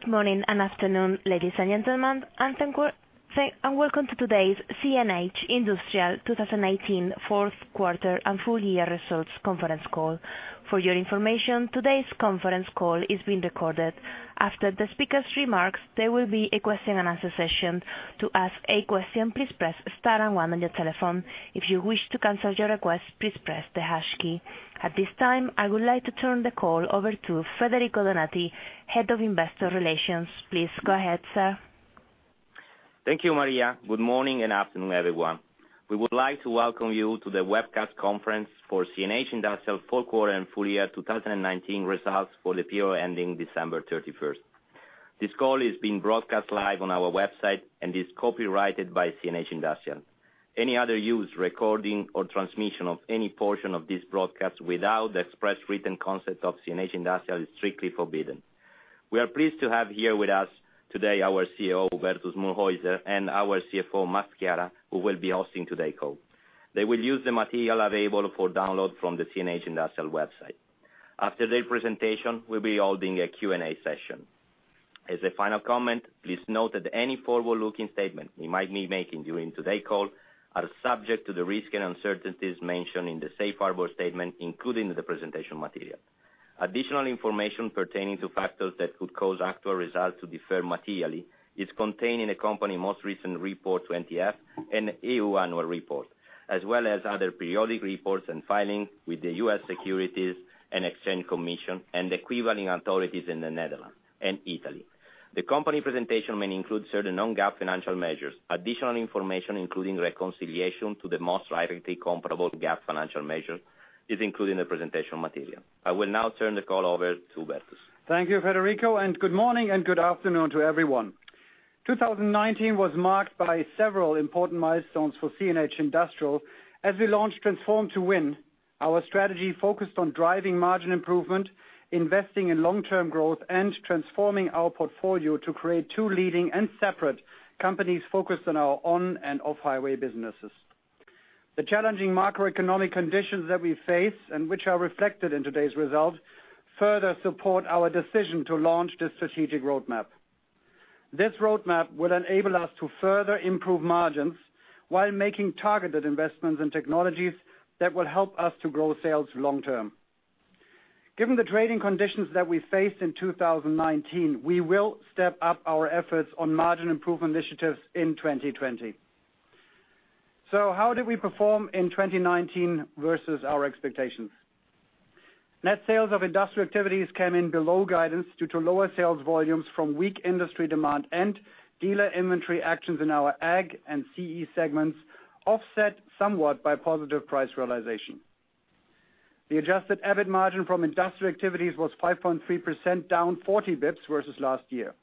Good morning and afternoon, ladies and gentlemen. Welcome to today's CNH Industrial 2019 fourth quarter and full year results conference call. For your information, today's conference call is being recorded. After the speaker's remarks, there will be a question and answer session. To ask a question, please press star and one on your telephone. If you wish to cancel your request, please press the hash key. At this time, I would like to turn the call over to Federico Donati, Head of Investor Relations. Please go ahead, sir. Thank you, Maria. Good morning and afternoon, everyone. We would like to welcome you to the webcast conference for CNH Industrial fourth quarter and full year 2019 results for the period ending December 31st. This call is being broadcast live on our website and is copyrighted by CNH Industrial. Any other use, recording, or transmission of any portion of this broadcast without the express written consent of CNH Industrial is strictly forbidden. We are pleased to have here with us today our CEO, Hubertus Mühlhäuser, and our CFO, Max Chiara, who will be hosting today's call. They will use the material available for download from the CNH Industrial website. After their presentation, we will be holding a Q&A session. As a final comment, please note that any forward-looking statement we might be making during today's call are subject to the risks and uncertainties mentioned in the safe harbor statement, including the presentation material. Additional information pertaining to factors that could cause actual results to differ materially is contained in the company's most recent report 20-F and EU annual report, as well as other periodic reports and filings with the U.S. Securities and Exchange Commission and the equivalent authorities in the Netherlands and Italy. The company presentation may include certain non-GAAP financial measures. Additional information, including reconciliation to the most directly comparable GAAP financial measure, is included in the presentation material. I will now turn the call over to Hubertus Mühlhäuser. Thank you, Federico Donati. Good morning and good afternoon to everyone. 2019 was marked by several important milestones for CNH Industrial as we launched Transform to Win, our strategy focused on driving margin improvement, investing in long-term growth, and transforming our portfolio to create two leading and separate companies focused on our on- and off-highway businesses. The challenging macroeconomic conditions that we face, and which are reflected in today's results, further support our decision to launch this strategic roadmap. This roadmap will enable us to further improve margins while making targeted investments in technologies that will help us to grow sales long term. Given the trading conditions that we faced in 2019, we will step up our efforts on margin improvement initiatives in 2020. How did we perform in 2019 versus our expectations? Net sales of industrial activities came in below guidance due to lower sales volumes from weak industry demand and dealer inventory actions in our Ag and CE segments, offset somewhat by positive price realization. The Adjusted EBIT margin from industrial activities was 5.3%, down 40 basis points versus last year.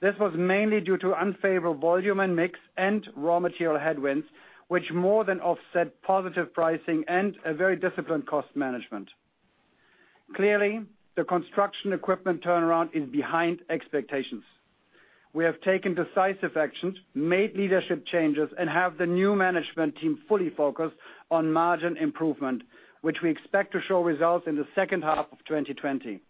This was mainly due to unfavorable volume and mix and raw material headwinds, which more than offset positive pricing and a very disciplined cost management. Clearly, the construction equipment turnaround is behind expectations. We have taken decisive actions, made leadership changes, and have the new management team fully focused on margin improvement, which we expect to show results in the second half of 2020.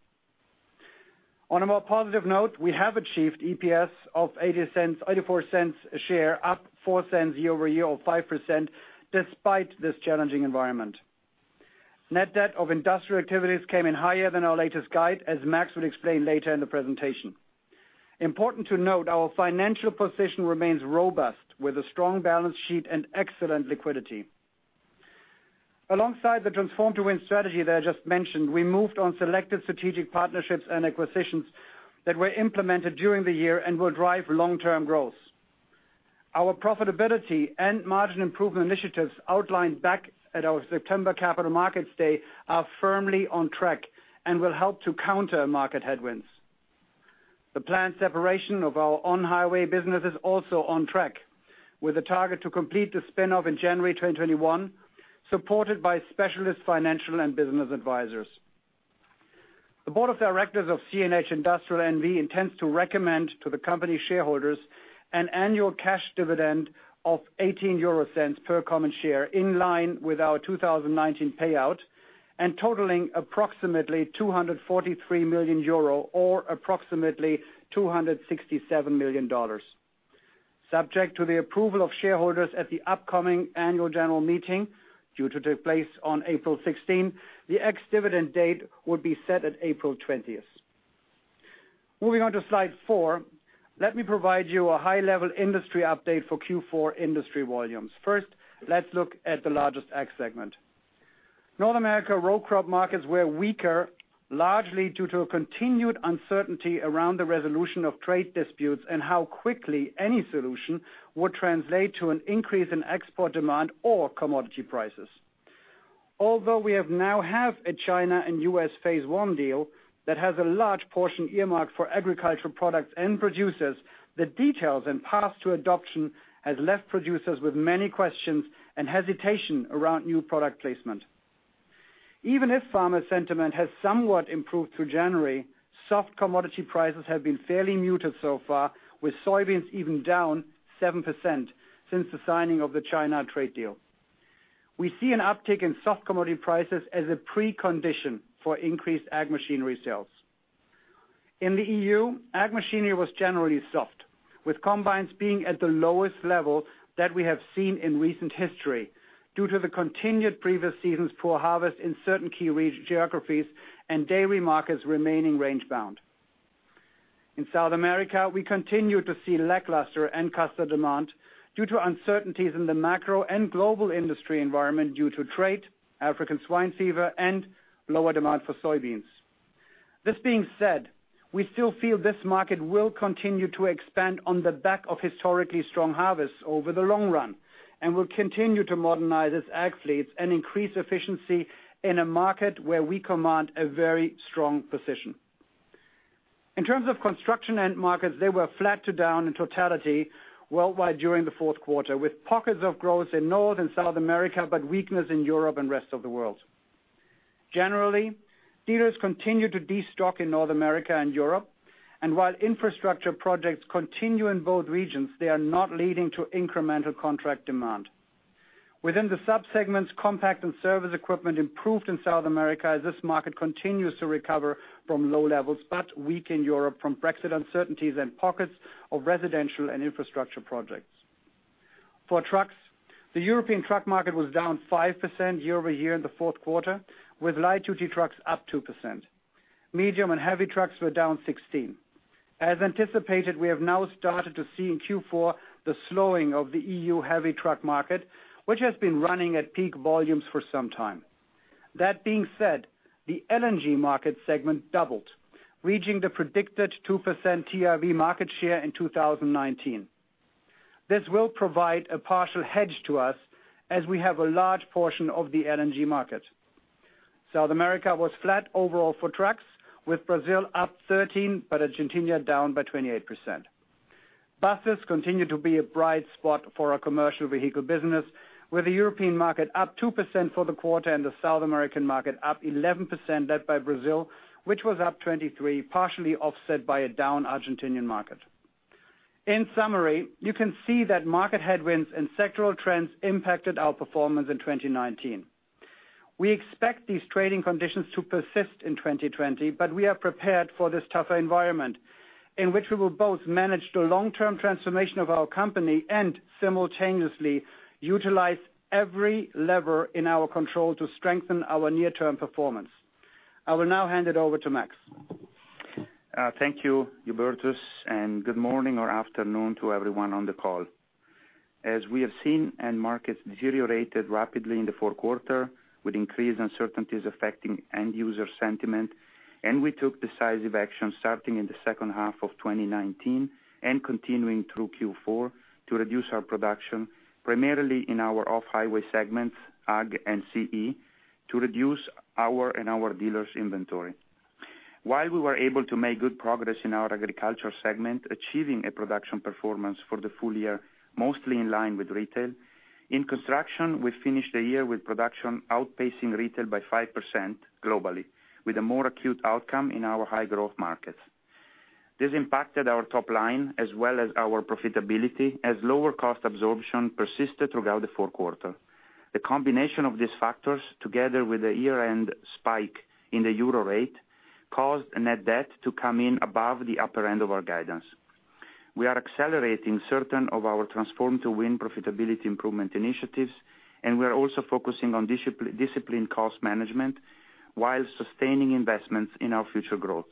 On a more positive note, we have achieved EPS of 0.84 a share, up 0.04 year-over-year or 5%, despite this challenging environment. Net debt of industrial activities came in higher than our latest guide, as Max Chiara would explain later in the presentation. Important to note, our financial position remains robust with a strong balance sheet and excellent liquidity. Alongside the Transform to Win strategy that I just mentioned, we moved on selected strategic partnerships and acquisitions that were implemented during the year and will drive long-term growth. Our profitability and margin improvement initiatives outlined back at our September Capital Markets Day are firmly on track and will help to counter market headwinds. The planned separation of our on-highway business is also on track, with a target to complete the spin-off in January 2021, supported by specialist financial and business advisors. The board of directors of CNH Industrial N.V. intends to recommend to the company shareholders an annual cash dividend of 0.18 per common share, in line with our 2019 payout, and totaling approximately 243 million euro or approximately $267 million. Subject to the approval of shareholders at the upcoming annual general meeting, due to take place on April 16, the ex-dividend date would be set at April 20th. Moving on to slide four, let me provide you a high-level industry update for Q4 industry volumes. First, let's look at the largest Ag segment. North America row crop markets were weaker, largely due to a continued uncertainty around the resolution of trade disputes and how quickly any solution would translate to an increase in export demand or commodity prices. Although we now have a China and U.S. phase one deal that has a large portion earmarked for agricultural products and producers, the details and path to adoption has left producers with many questions and hesitation around new product placement. Even if farmer sentiment has somewhat improved through January, soft commodity prices have been fairly muted so far, with soybeans even down 7% since the signing of the China trade deal. We see an uptick in soft commodity prices as a precondition for increased Ag machinery sales. In the EU, Ag machinery was generally soft, with combines being at the lowest level that we have seen in recent history due to the continued previous season's poor harvest in certain key geographies and dairy markets remaining range bound. In South America, we continue to see lackluster end customer demand due to uncertainties in the macro and global industry environment due to trade, African swine fever, and lower demand for soybeans. This being said, we still feel this market will continue to expand on the back of historically strong harvests over the long run, and will continue to modernize its Ag fleets and increase efficiency in a market where we command a very strong position. In terms of construction end markets, they were flat to down in totality worldwide during the fourth quarter, with pockets of growth in North and South America, but weakness in Europe and rest of the world. Generally, dealers continue to destock in North America and Europe, and while infrastructure projects continue in both regions, they are not leading to incremental contract demand. Within the subsegments, compact and service equipment improved in South America as this market continues to recover from low levels, but weak in Europe from Brexit uncertainties and pockets of residential and infrastructure projects. For trucks, the European truck market was down 5% year-over-year in the fourth quarter, with light-duty trucks up 2%. Medium and heavy trucks were down 16%. As anticipated, we have now started to see in Q4 the slowing of the EU heavy truck market, which has been running at peak volumes for some time. That being said, the LNG market segment doubled, reaching the predicted 2% TIV market share in 2019. This will provide a partial hedge to us as we have a large portion of the LNG market. South America was flat overall for trucks, with Brazil up 13%, but Argentina down by 28%. Buses continue to be a bright spot for our commercial vehicle business, with the European market up 2% for the quarter and the South American market up 11% led by Brazil, which was up 23%, partially offset by a down Argentinian market. In summary, you can see that market headwinds and sectoral trends impacted our performance in 2019. We expect these trading conditions to persist in 2020, but we are prepared for this tougher environment in which we will both manage the long-term transformation of our company and simultaneously utilize every lever in our control to strengthen our near-term performance. I will now hand it over to Max Chiara. Thank you, Hubertus Mühlhäuser. Good morning or afternoon to everyone on the call. As we have seen, end markets deteriorated rapidly in the fourth quarter with increased uncertainties affecting end-user sentiment. We took decisive action starting in the second half of 2019 and continuing through Q4 to reduce our production, primarily in our off-highway segments, Ag and CE, to reduce our and our dealers' inventory. While we were able to make good progress in our agricultural segment, achieving a production performance for the full year mostly in line with retail. In construction, we finished the year with production outpacing retail by 5% globally, with a more acute outcome in our high-growth markets. This impacted our top line as well as our profitability as lower cost absorption persisted throughout the fourth quarter. The combination of these factors, together with the year-end spike in the euro rate, caused net debt to come in above the upper end of our guidance. We are accelerating certain of our Transform to Win profitability improvement initiatives, and we are also focusing on disciplined cost management while sustaining investments in our future growth.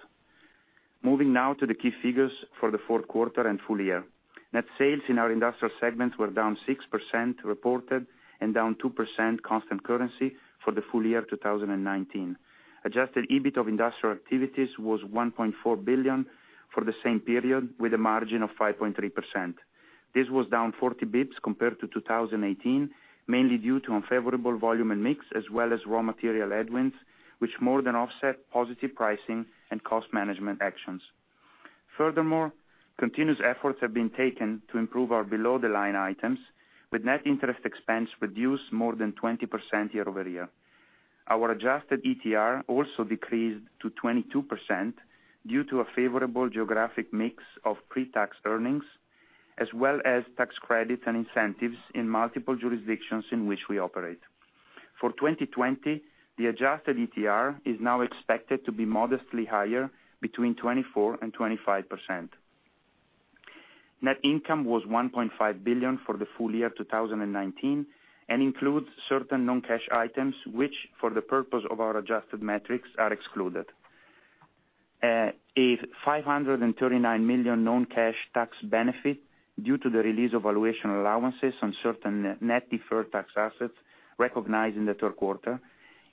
Moving now to the key figures for the fourth quarter and full year. Net sales in our industrial segments were down 6% reported and down 2% constant currency for the full year 2019. Adjusted EBIT of industrial activities was 1.4 billion for the same period with a margin of 5.3%. This was down 40 basis points compared to 2018, mainly due to unfavorable volume and mix, as well as raw material headwinds, which more than offset positive pricing and cost management actions. Furthermore, continuous efforts have been taken to improve our below-the-line items with net interest expense reduced more than 20% year-over-year. Our adjusted ETR also decreased to 22% due to a favorable geographic mix of pre-tax earnings, as well as tax credits and incentives in multiple jurisdictions in which we operate. For 2020, the adjusted ETR is now expected to be modestly higher between 24% and 25%. Net income was 1.5 billion for the full year 2019 and includes certain non-cash items which, for the purpose of our adjusted metrics, are excluded. A 539 million non-cash tax benefit due to the release of valuation allowances on certain net deferred tax assets recognized in the third quarter.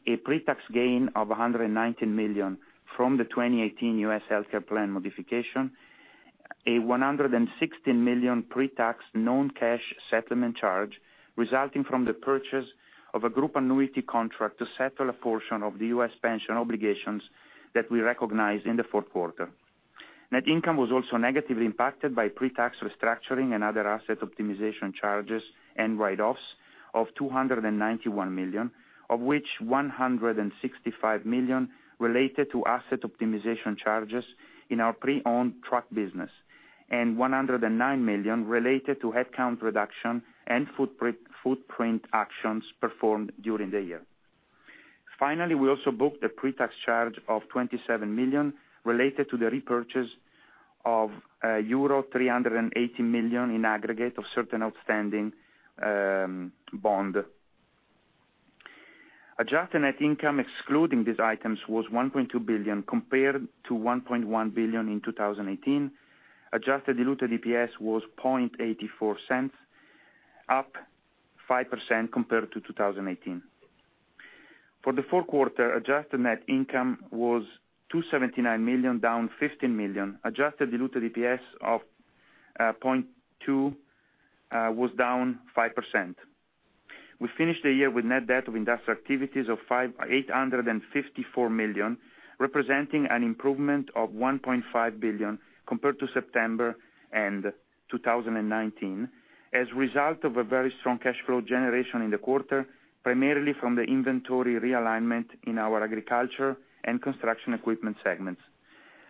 A pre-tax gain of 119 million from the 2018 U.S. healthcare plan modification. A $116 million pre-tax non-cash settlement charge resulting from the purchase of a group annuity contract to settle a portion of the U.S. pension obligations that we recognized in the fourth quarter. Net income was also negatively impacted by pre-tax restructuring and other asset optimization charges and write-offs of 291 million, of which 165 million related to asset optimization charges in our pre-owned truck business and 109 million related to headcount reduction and footprint actions performed during the year. Finally, we also booked a pre-tax charge of 27 million related to the repurchase of euro 380 million in aggregate of certain outstanding bond. Adjusted net income excluding these items was 1.2 billion, compared to 1.1 billion in 2018. Adjusted diluted EPS was 0.84, up 5% compared to 2018. For the fourth quarter, adjusted net income was 279 million, down 15 million. Adjusted diluted EPS of 0.20 was down 5%. We finished the year with net debt of industrial activities of 854 million, representing an improvement of 1.5 billion compared to September end 2019, as a result of a very strong cash flow generation in the quarter, primarily from the inventory realignment in our agriculture and construction equipment segments.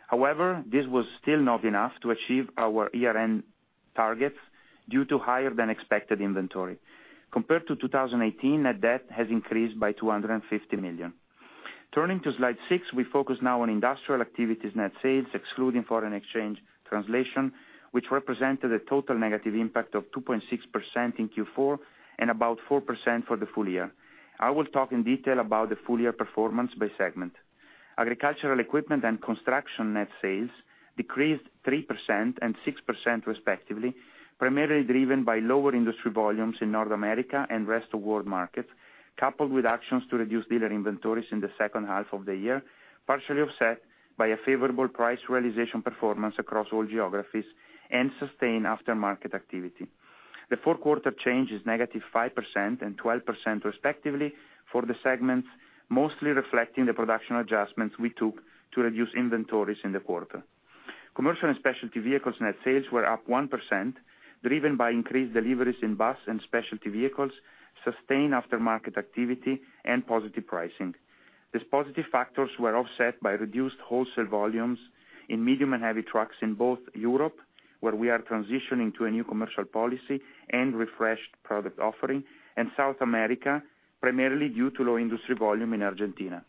However, this was still not enough to achieve our year-end targets due to higher than expected inventory. Compared to 2018, net debt has increased by 250 million. Turning to slide six, we focus now on industrial activities net sales, excluding foreign exchange translation, which represented a total negative impact of 2.6% in Q4 and about 4% for the full year. I will talk in detail about the full-year performance by segment. Agricultural equipment and construction net sales decreased 3% and 6% respectively, primarily driven by lower industry volumes in North America and rest of world markets, coupled with actions to reduce dealer inventories in the second half of the year, partially offset by a favorable price realization performance across all geographies and sustained aftermarket activity. The fourth quarter change is negative 5% and 12% respectively for the segments, mostly reflecting the production adjustments we took to reduce inventories in the quarter. Commercial and specialty vehicles net sales were up 1%, driven by increased deliveries in bus and specialty vehicles, sustained aftermarket activity, and positive pricing. These positive factors were offset by reduced wholesale volumes in medium and heavy trucks in both Europe, where we are transitioning to a new commercial policy and refreshed product offering, and South America, primarily due to low industry volume in Argentina.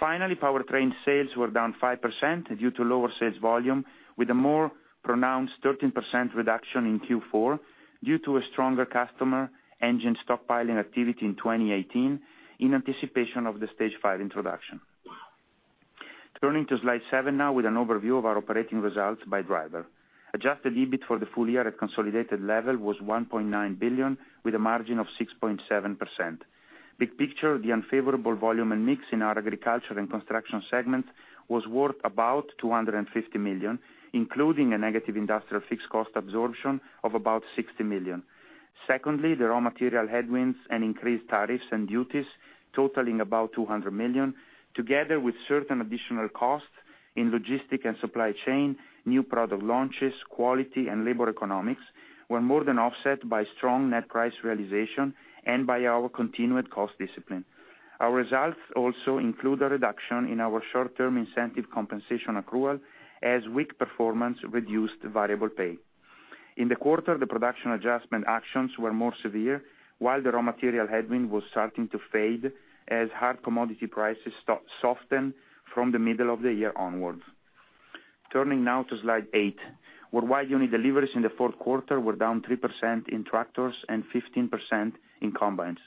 Finally, powertrain sales were down 5% due to lower sales volume with a more pronounced 13% reduction in Q4 due to a stronger customer engine stockpiling activity in 2018 in anticipation of the Stage V introduction. Turning to slide seven now with an overview of our operating results by driver. Adjusted EBIT for the full year at consolidated level was 1.9 billion, with a margin of 6.7%. Big picture, the unfavorable volume and mix in our agriculture and construction segment was worth about 250 million, including a negative industrial fixed cost absorption of about 60 million. Secondly, the raw material headwinds and increased tariffs and duties totaling about 200 million, together with certain additional costs in logistic and supply chain, new product launches, quality, and labor economics were more than offset by strong net price realization and by our continued cost discipline. Our results also include a reduction in our short-term incentive compensation accrual as weak performance reduced variable pay. In the quarter, the production adjustment actions were more severe, while the raw material headwind was starting to fade as hard commodity prices softened from the middle of the year onwards. Turning now to slide eight. Worldwide unit deliveries in the fourth quarter were down 3% in tractors and 15% in combines.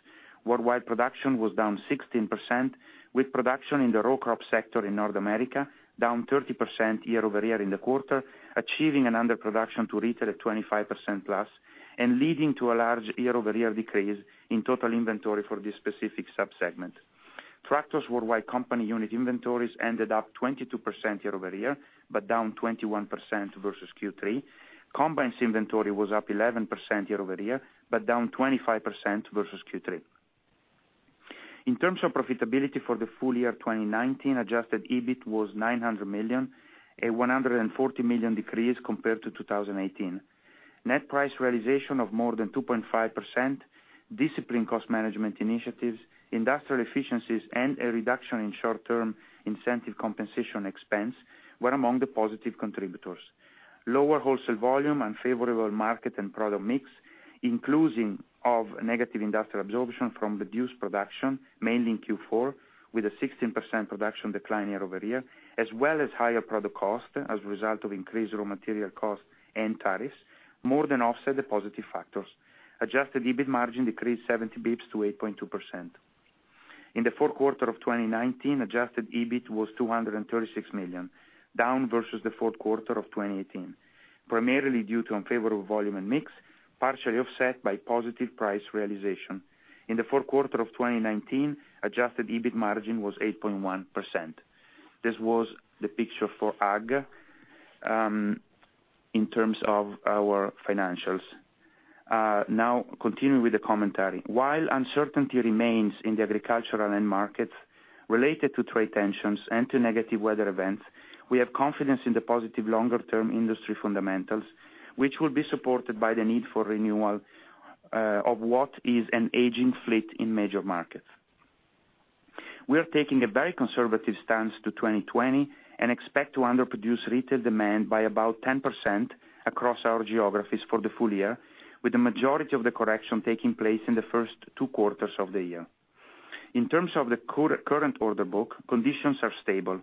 Worldwide production was down 16%, with production in the raw crop sector in North America down 30% year-over-year in the quarter, achieving an underproduction to retail at 25% plus, and leading to a large year-over-year decrease in total inventory for this specific subsegment. Tractors worldwide company unit inventories ended up 22% year-over-year, but down 21% versus Q3. Combines inventory was up 11% year-over-year, but down 25% versus Q3. In terms of profitability for the full year 2019, Adjusted EBIT was 900 million, a 140 million decrease compared to 2018. Net price realization of more than 2.5%, disciplined cost management initiatives, industrial efficiencies, and a reduction in short-term incentive compensation expense were among the positive contributors. Lower wholesale volume, unfavorable market and product mix, inclusive of negative industrial absorption from reduced production, mainly in Q4 with a 16% production decline year-over-year, as well as higher product cost as a result of increased raw material cost and tariffs, more than offset the positive factors. Adjusted EBIT margin decreased 70 basis points to 8.2%. In the fourth quarter of 2019, Adjusted EBIT was 236 million down versus the fourth quarter of 2018, primarily due to unfavorable volume and mix, partially offset by positive price realization. In the fourth quarter of 2019, Adjusted EBIT margin was 8.1%. This was the picture for Ag in terms of our financials. Now, continuing with the commentary. While uncertainty remains in the agricultural end market related to trade tensions and to negative weather events, we have confidence in the positive longer-term industry fundamentals, which will be supported by the need for renewal of what is an aging fleet in major markets. We are taking a very conservative stance to 2020 and expect to underproduce retail demand by about 10% across our geographies for the full year, with the majority of the correction taking place in the first two quarters of the year. In terms of the current order book, conditions are stable.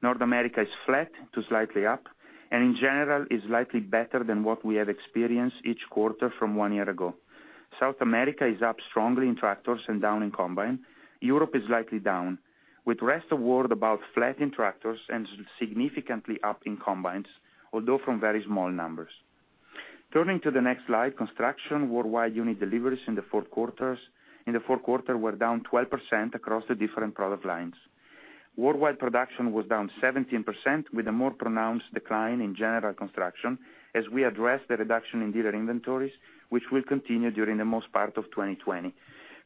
North America is flat to slightly up and in general is slightly better than what we have experienced each quarter from one year ago. South America is up strongly in tractors and down in combine. Europe is slightly down, with rest of world about flat in tractors and significantly up in combines, although from very small numbers. Turning to the next slide, construction worldwide unit deliveries in the fourth quarter were down 12% across the different product lines. Worldwide production was down 17% with a more pronounced decline in general construction as we address the reduction in dealer inventories, which will continue during the most part of 2020.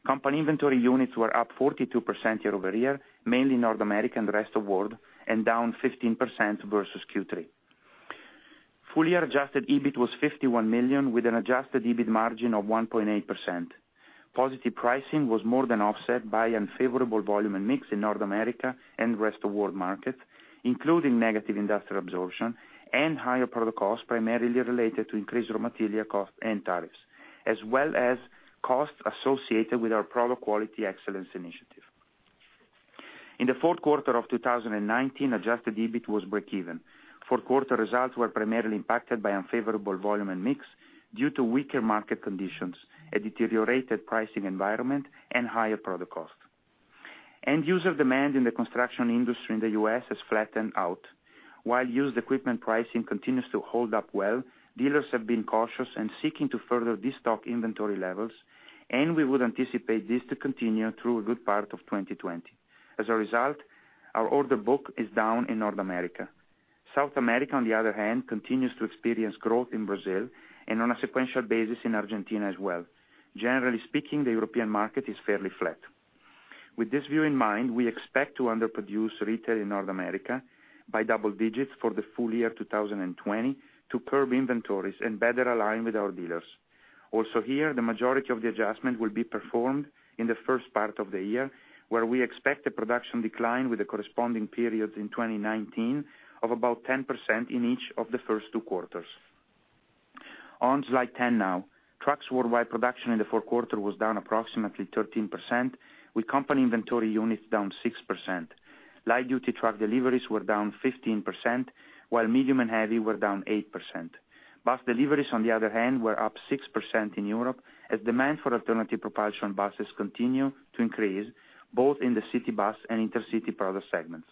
Company inventory units were up 42% year-over-year, mainly North America and the rest of world, and down 15% versus Q3. Full year Adjusted EBIT was 51 million with an Adjusted EBIT margin of 1.8%. Positive pricing was more than offset by unfavorable volume and mix in North America and rest of world market, including negative industrial absorption and higher product costs primarily related to increased raw material cost and tariffs, as well as costs associated with our product quality excellence initiative. In the fourth quarter of 2019, Adjusted EBIT was breakeven. Fourth quarter results were primarily impacted by unfavorable volume and mix due to weaker market conditions, a deteriorated pricing environment and higher product cost. End user demand in the construction industry in the U.S. has flattened out. While used equipment pricing continues to hold up well, dealers have been cautious and seeking to further destock inventory levels, and we would anticipate this to continue through a good part of 2020. As a result, our order book is down in North America. South America, on the other hand, continues to experience growth in Brazil and on a sequential basis in Argentina as well. Generally speaking, the European market is fairly flat. With this view in mind, we expect to underproduce retail in North America by double digits for the full year 2020 to curb inventories and better align with our dealers. Also here, the majority of the adjustment will be performed in the first part of the year, where we expect a production decline with the corresponding period in 2019 of about 10% in each of the first two quarters. On slide 10 now. Trucks worldwide production in the fourth quarter was down approximately 13%, with company inventory units down 6%. Light-duty truck deliveries were down 15%, while medium and heavy were down 8%. Bus deliveries, on the other hand, were up 6% in Europe as demand for alternative propulsion buses continue to increase both in the city bus and intercity product segments.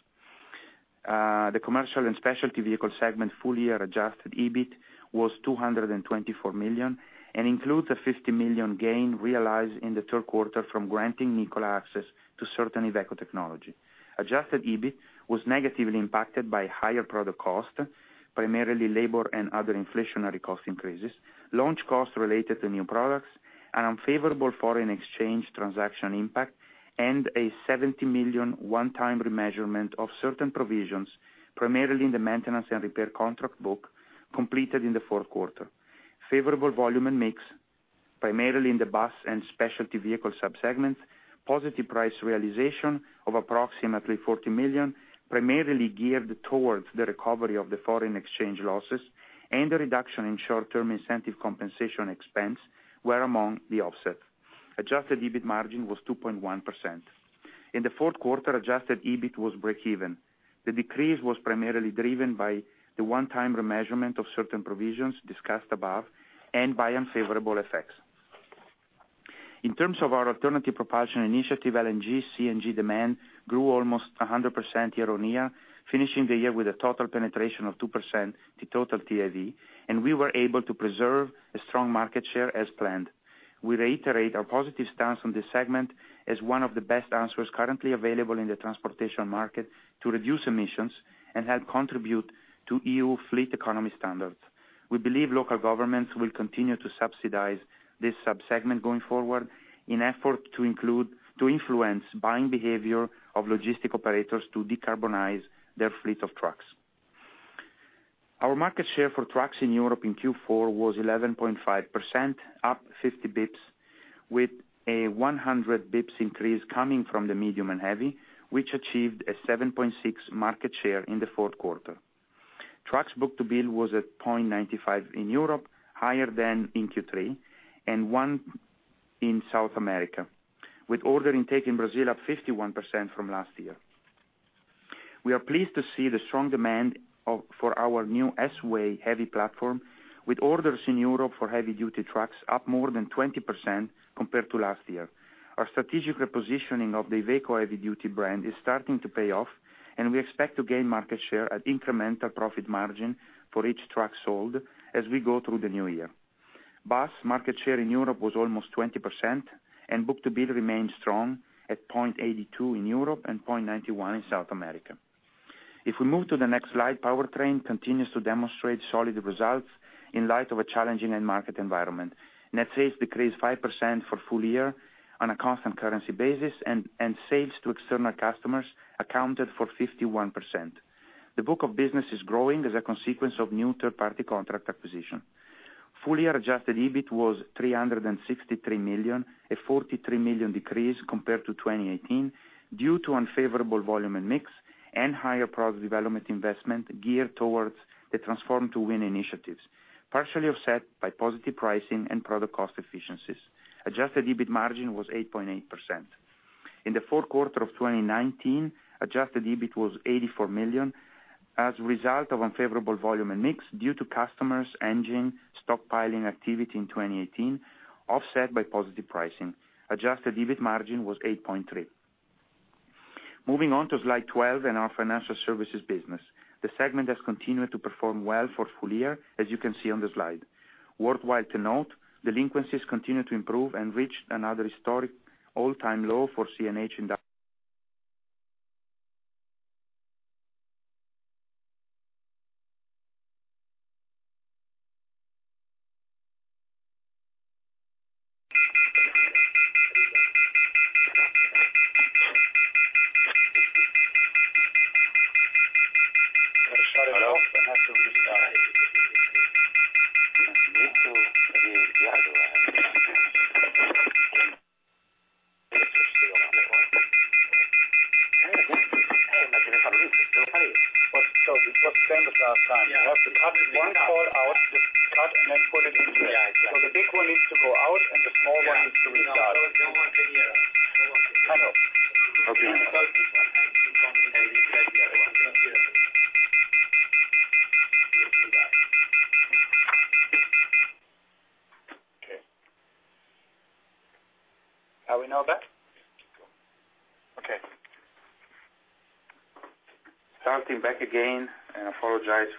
The commercial and specialty vehicle segment full year Adjusted EBIT was 224 million and includes a 50 million gain realized in the third quarter from granting Nikola access to certain IVECO technology. Adjusted EBIT was negatively impacted by higher product cost, primarily labor and other inflationary cost increases, launch costs related to new products, an unfavorable foreign exchange transaction impact, and a 70 million one-time remeasurement of certain provisions, primarily in the maintenance and repair contract book, completed in the fourth quarter. Favorable volume and mix, primarily in the bus and specialty vehicle sub-segments, positive price realization of approximately 40 million primarily geared towards the recovery of the foreign exchange losses, and the reduction in short-term incentive compensation expense were among the offset. Adjusted EBIT margin was 2.1%. In the fourth quarter, Adjusted EBIT was breakeven. The decrease was primarily driven by the one-time remeasurement of certain provisions discussed above and by unfavorable FX. In terms of our alternative propulsion initiative, LNG, CNG demand grew almost 100% year-on-year, finishing the year with a total penetration of 2% to total TIV, and we were able to preserve a strong market share as planned. We reiterate our positive stance on this segment as one of the best answers currently available in the transportation market to reduce emissions and help contribute to EU fleet economy standards. We believe local governments will continue to subsidize this sub-segment going forward in effort to influence buying behavior of logistic operators to decarbonize their fleet of trucks. Our market share for trucks in Europe in Q4 was 11.5%, up 50 basis points, with a 100 basis points increase coming from the medium and heavy, which achieved a 7.6% market share in the fourth quarter. Trucks book-to-bill was at 0.95 in Europe, higher than in Q3, and 1 in South America, with order intake in Brazil up 51% from last year. We are pleased to see the strong demand for our new S-Way heavy platform with orders in Europe for heavy-duty trucks up more than 20% compared to last year. Our strategic repositioning of the IVECO heavy-duty brand is starting to pay off, and we expect to gain market share at incremental profit margin for each truck sold as we go through the new year. Bus market share in Europe was almost 20%, and book-to-bill remains strong at 0.82 in Europe and 0.91 in South America. If we move to the next slide, powertrain continues to demonstrate solid results in light of a challenging end market environment. Net sales decreased 5% for full year on a constant currency basis and sales to external customers accounted for 51%. The book of business is growing as a consequence of new third-party contract acquisition. Full year Adjusted EBIT was 363 million, a 43 million decrease compared to 2018. Due to unfavorable volume and mix and higher product development investment geared towards the Transform to Win initiatives, partially offset by positive pricing and product cost efficiencies. Adjusted EBIT margin was 8.8%. In the fourth quarter of 2019, Adjusted EBIT was 84 million as a result of unfavorable volume and mix due to customers' engine stockpiling activity in 2018, offset by positive pricing. Adjusted EBIT margin was 8.3%. Moving on to slide 12 and our financial services business. The segment has continued to perform well for full year, as you can see on the slide. Worthwhile to note, delinquencies continued to improve and reached another historic all-time low for CNH Industrial. Starting back again. I apologize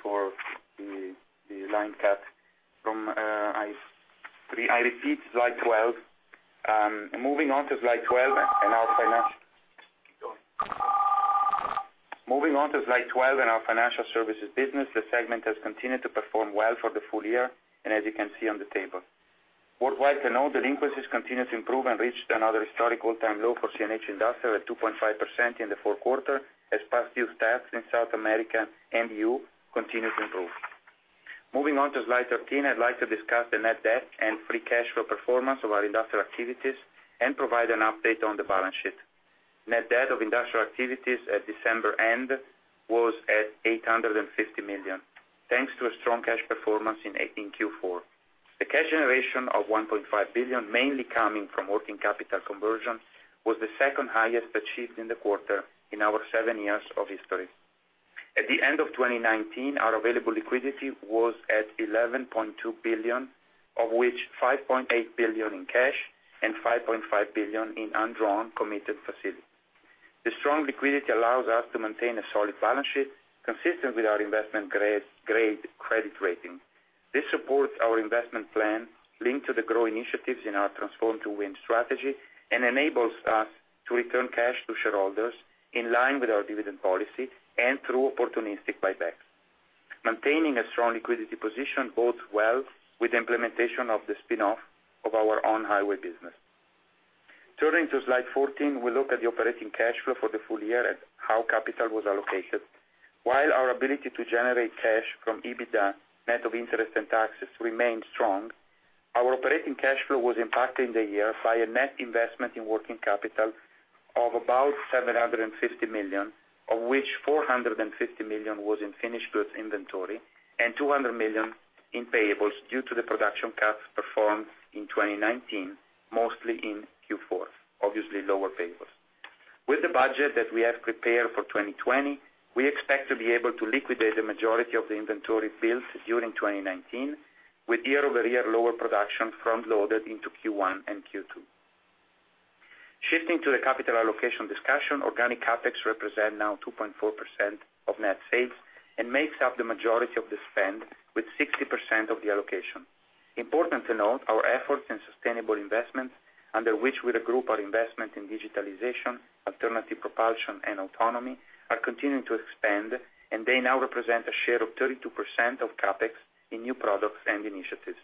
for the line cut. I repeat slide 12. Moving on to slide 12 in our financial services business, the segment has continued to perform well for the full year, and as you can see on the table. Worthwhile to note, delinquencies continued to improve and reached another historic all-time low for CNH Industrial at 2.5% in the fourth quarter, as past due stacks in South America and EU continued to improve. Moving on to slide 13, I'd like to discuss the net debt and free cash flow performance of our industrial activities and provide an update on the balance sheet. Net debt of industrial activities at December end was at 850 million, thanks to a strong cash performance in 2018 Q4. The cash generation of 1.5 billion, mainly coming from working capital conversion, was the second highest achieved in the quarter in our seven years of history. At the end of 2019, our available liquidity was at 11.2 billion, of which 5.8 billion in cash and 5.5 billion in undrawn committed facility. The strong liquidity allows us to maintain a solid balance sheet consistent with our investment-grade credit rating. This supports our investment plan linked to the grow initiatives in our Transform to Win strategy and enables us to return cash to shareholders in line with our dividend policy and through opportunistic buybacks. Maintaining a strong liquidity position bodes well with the implementation of the spin-off of our on-highway business. Turning to slide 14, we look at the operating cash flow for the full year and how capital was allocated. While our ability to generate cash from EBITDA, net of interest and taxes, remained strong, our operating cash flow was impacted in the year by a net investment in working capital of about 750 million, of which 450 million was in finished goods inventory and 200 million in payables due to the production cuts performed in 2019, mostly in Q4. Obviously, lower payables. With the budget that we have prepared for 2020, we expect to be able to liquidate the majority of the inventory built during 2019, with year-over-year lower production front-loaded into Q1 and Q2. Shifting to the capital allocation discussion, organic CapEx represent now 2.4% of net sales and makes up the majority of the spend, with 60% of the allocation. Important to note, our efforts in sustainable investments, under which we regroup our investment in digitalization, alternative propulsion, and autonomy, are continuing to expand, and they now represent a share of 32% of CapEx in new products and initiatives.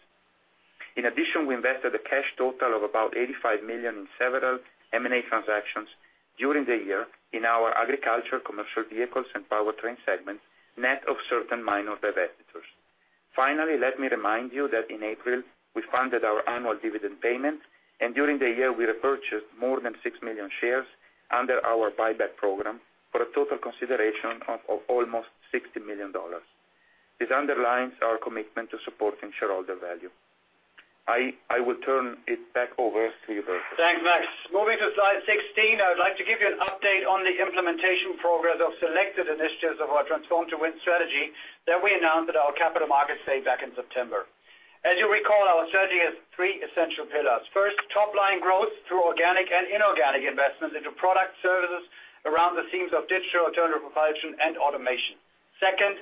In addition, we invested a cash total of about 85 million in several M&A transactions during the year in our agriculture, commercial vehicles, and powertrain segments, net of certain minor divestitures. Finally, let me remind you that in April, we funded our annual dividend payment, and during the year, we repurchased more than 6 million shares under our buyback program for a total consideration of almost EUR 60 million. This underlines our commitment to supporting shareholder value. I will turn it back over to you, Hubertus Mühlhäuser. Thanks, Max Chiara. Moving to slide 16, I would like to give you an update on the implementation progress of selected initiatives of our Transform to Win strategy that we announced at our capital markets day back in September. As you recall, our strategy has three essential pillars. First, top-line growth through organic and inorganic investments into product services around the themes of digital, alternative propulsion, and automation. Second,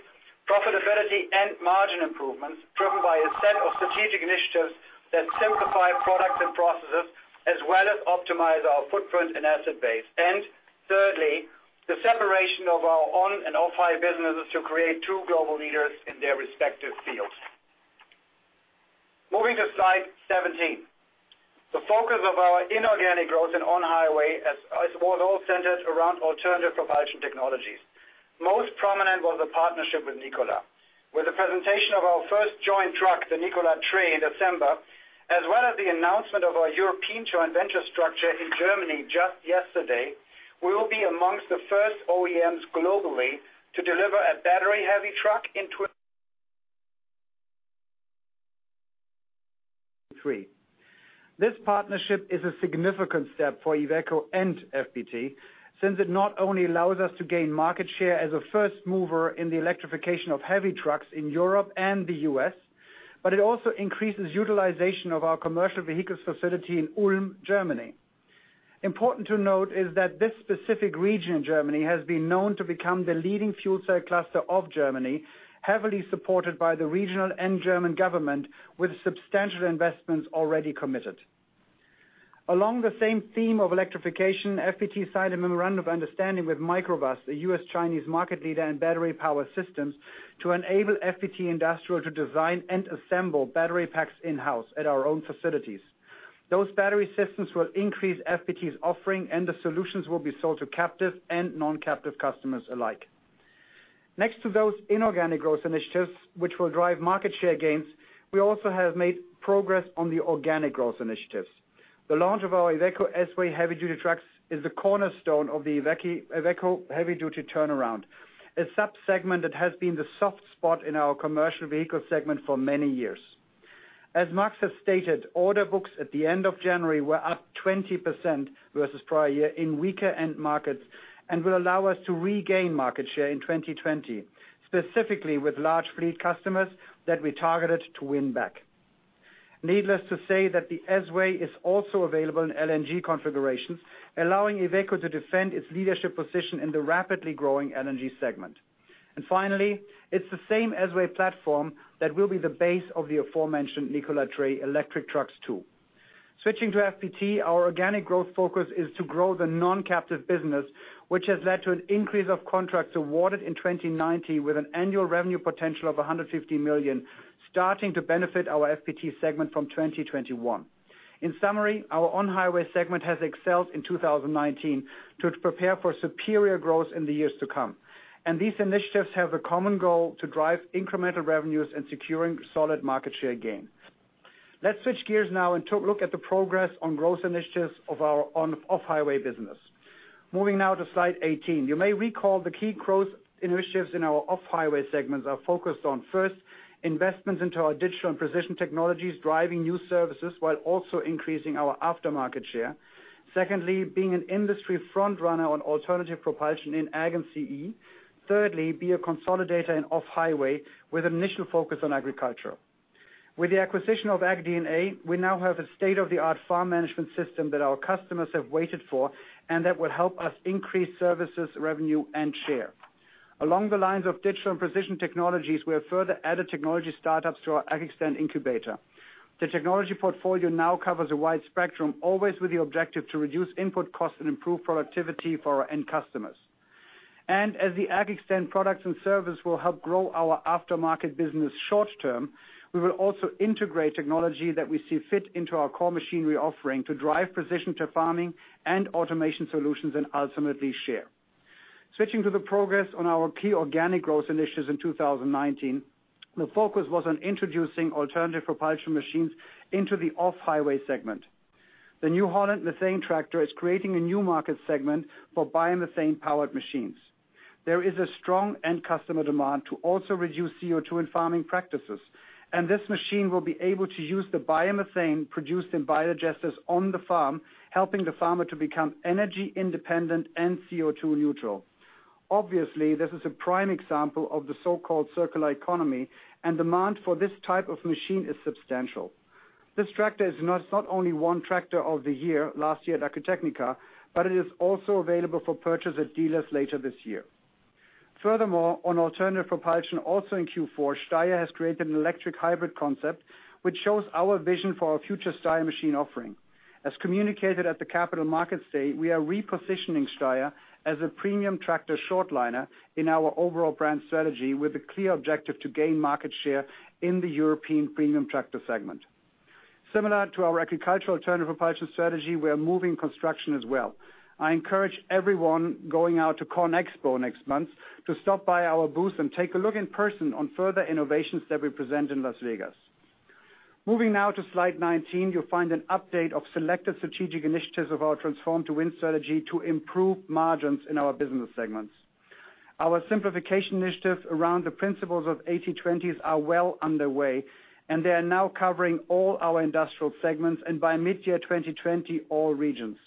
profitability and margin improvements driven by a set of strategic initiatives that simplify products and processes, as well as optimize our footprint and asset base. Thirdly, the separation of our on- and off-highway businesses to create two global leaders in their respective fields. Moving to slide 17. The focus of our inorganic growth and on-highway was all centered around alternative propulsion technologies. Most prominent was the partnership with Nikola. With the presentation of our first joint truck, the Nikola Tre in December, as well as the announcement of our European joint venture structure in Germany just yesterday, we will be amongst the first OEMs globally to deliver a battery-heavy truck in 2023. This partnership is a significant step for IVECO and FPT, since it not only allows us to gain market share as a first mover in the electrification of heavy trucks in Europe and the U.S., but it also increases utilization of our commercial vehicles facility in Ulm, Germany. Important to note is that this specific region in Germany has been known to become the leading fuel cell cluster of Germany, heavily supported by the regional and German government, with substantial investments already committed. Along the same theme of electrification, FPT signed a memorandum of understanding with Microvast, the U.S. Chinese market leader in battery power systems, to enable FPT Industrial to design and assemble battery packs in-house at our own facilities. Those battery systems will increase FPT's offering, and the solutions will be sold to captive and non-captive customers alike. Next to those inorganic growth initiatives, which will drive market share gains, we also have made progress on the organic growth initiatives. The launch of our IVECO S-Way heavy-duty trucks is the cornerstone of the IVECO heavy-duty turnaround, a sub-segment that has been the soft spot in our commercial vehicle segment for many years. As Max Chiara has stated, order books at the end of January were up 20% versus prior year in weaker end markets and will allow us to regain market share in 2020, specifically with large fleet customers that we targeted to win back. Needless to say that the S-Way is also available in LNG configurations, allowing IVECO to defend its leadership position in the rapidly growing LNG segment. Finally, it's the same S-Way platform that will be the base of the aforementioned Nikola Tre electric trucks too. Switching to FPT, our organic growth focus is to grow the non-captive business, which has led to an increase of contracts awarded in 2019 with an annual revenue potential of 150 million, starting to benefit our FPT segment from 2021. In summary, our on-highway segment has excelled in 2019 to prepare for superior growth in the years to come. These initiatives have a common goal to drive incremental revenues and securing solid market share gain. Let's switch gears now and look at the progress on growth initiatives of our off-highway business. Moving now to slide 18. You may recall the key growth initiatives in our off-highway segments are focused on, first, investments into our digital and precision technologies, driving new services while also increasing our aftermarket share. Secondly, being an industry front-runner on alternative propulsion in Ag and CE. Thirdly, be a consolidator in off-highway with an initial focus on agricultural. With the acquisition of AgDNA, we now have a state-of-the-art farm management system that our customers have waited for and that will help us increase services, revenue, and share. Along the lines of digital and precision technologies, we have further added technology startups to our AGXTEND incubator. The technology portfolio now covers a wide spectrum, always with the objective to reduce input costs and improve productivity for our end customers. As the AGXTEND products and service will help grow our aftermarket business short-term, we will also integrate technology that we see fit into our core machinery offering to drive precision farming and automation solutions, and ultimately share. Switching to the progress on our key organic growth initiatives in 2019, the focus was on introducing alternative propulsion machines into the off-highway segment. The New Holland methane tractor is creating a new market segment for biomethane-powered machines. There is a strong end customer demand to also reduce CO2 in farming practices, and this machine will be able to use the biomethane produced in biodigesters on the farm, helping the farmer to become energy independent and CO2 neutral. Obviously, this is a prime example of the so-called circular economy, and demand for this type of machine is substantial. This tractor is not only one Tractor of the Year last year at Agritechnica, but it is also available for purchase at dealers later this year. Furthermore, on alternative propulsion, also in Q4, STEYR has created an electric hybrid concept, which shows our vision for our future STEYR machine offering. As communicated at the Capital Markets Day, we are repositioning STEYR as a premium tractor short liner in our overall brand strategy with a clear objective to gain market share in the European premium tractor segment. Similar to our agricultural alternative propulsion strategy, we are moving construction as well. I encourage everyone going out to CONEXPO next month to stop by our booth and take a look in person on further innovations that we present in Las Vegas. Moving now to slide 19, you'll find an update of selected strategic initiatives of our Transform to Win strategy to improve margins in our business segments. Our simplification initiatives around the principles of 80/20s are well underway, and they are now covering all our industrial segments, and by mid-year 2020, all regions.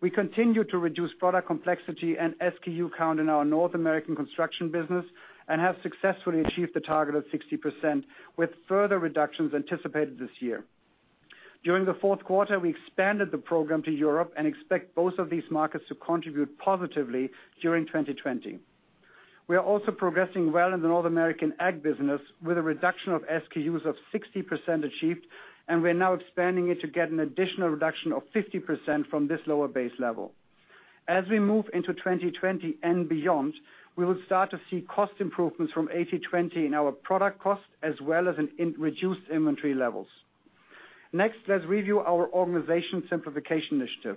We continue to reduce product complexity and SKU count in our North American construction business and have successfully achieved the target of 60% with further reductions anticipated this year. During the fourth quarter, we expanded the program to Europe and expect both of these markets to contribute positively during 2020. We are also progressing well in the North American Ag business with a reduction of SKUs of 60% achieved, and we're now expanding it to get an additional reduction of 50% from this lower base level. As we move into 2020 and beyond, we will start to see cost improvements from 80/20 in our product cost as well as in reduced inventory levels. Next, let's review our organization simplification initiative.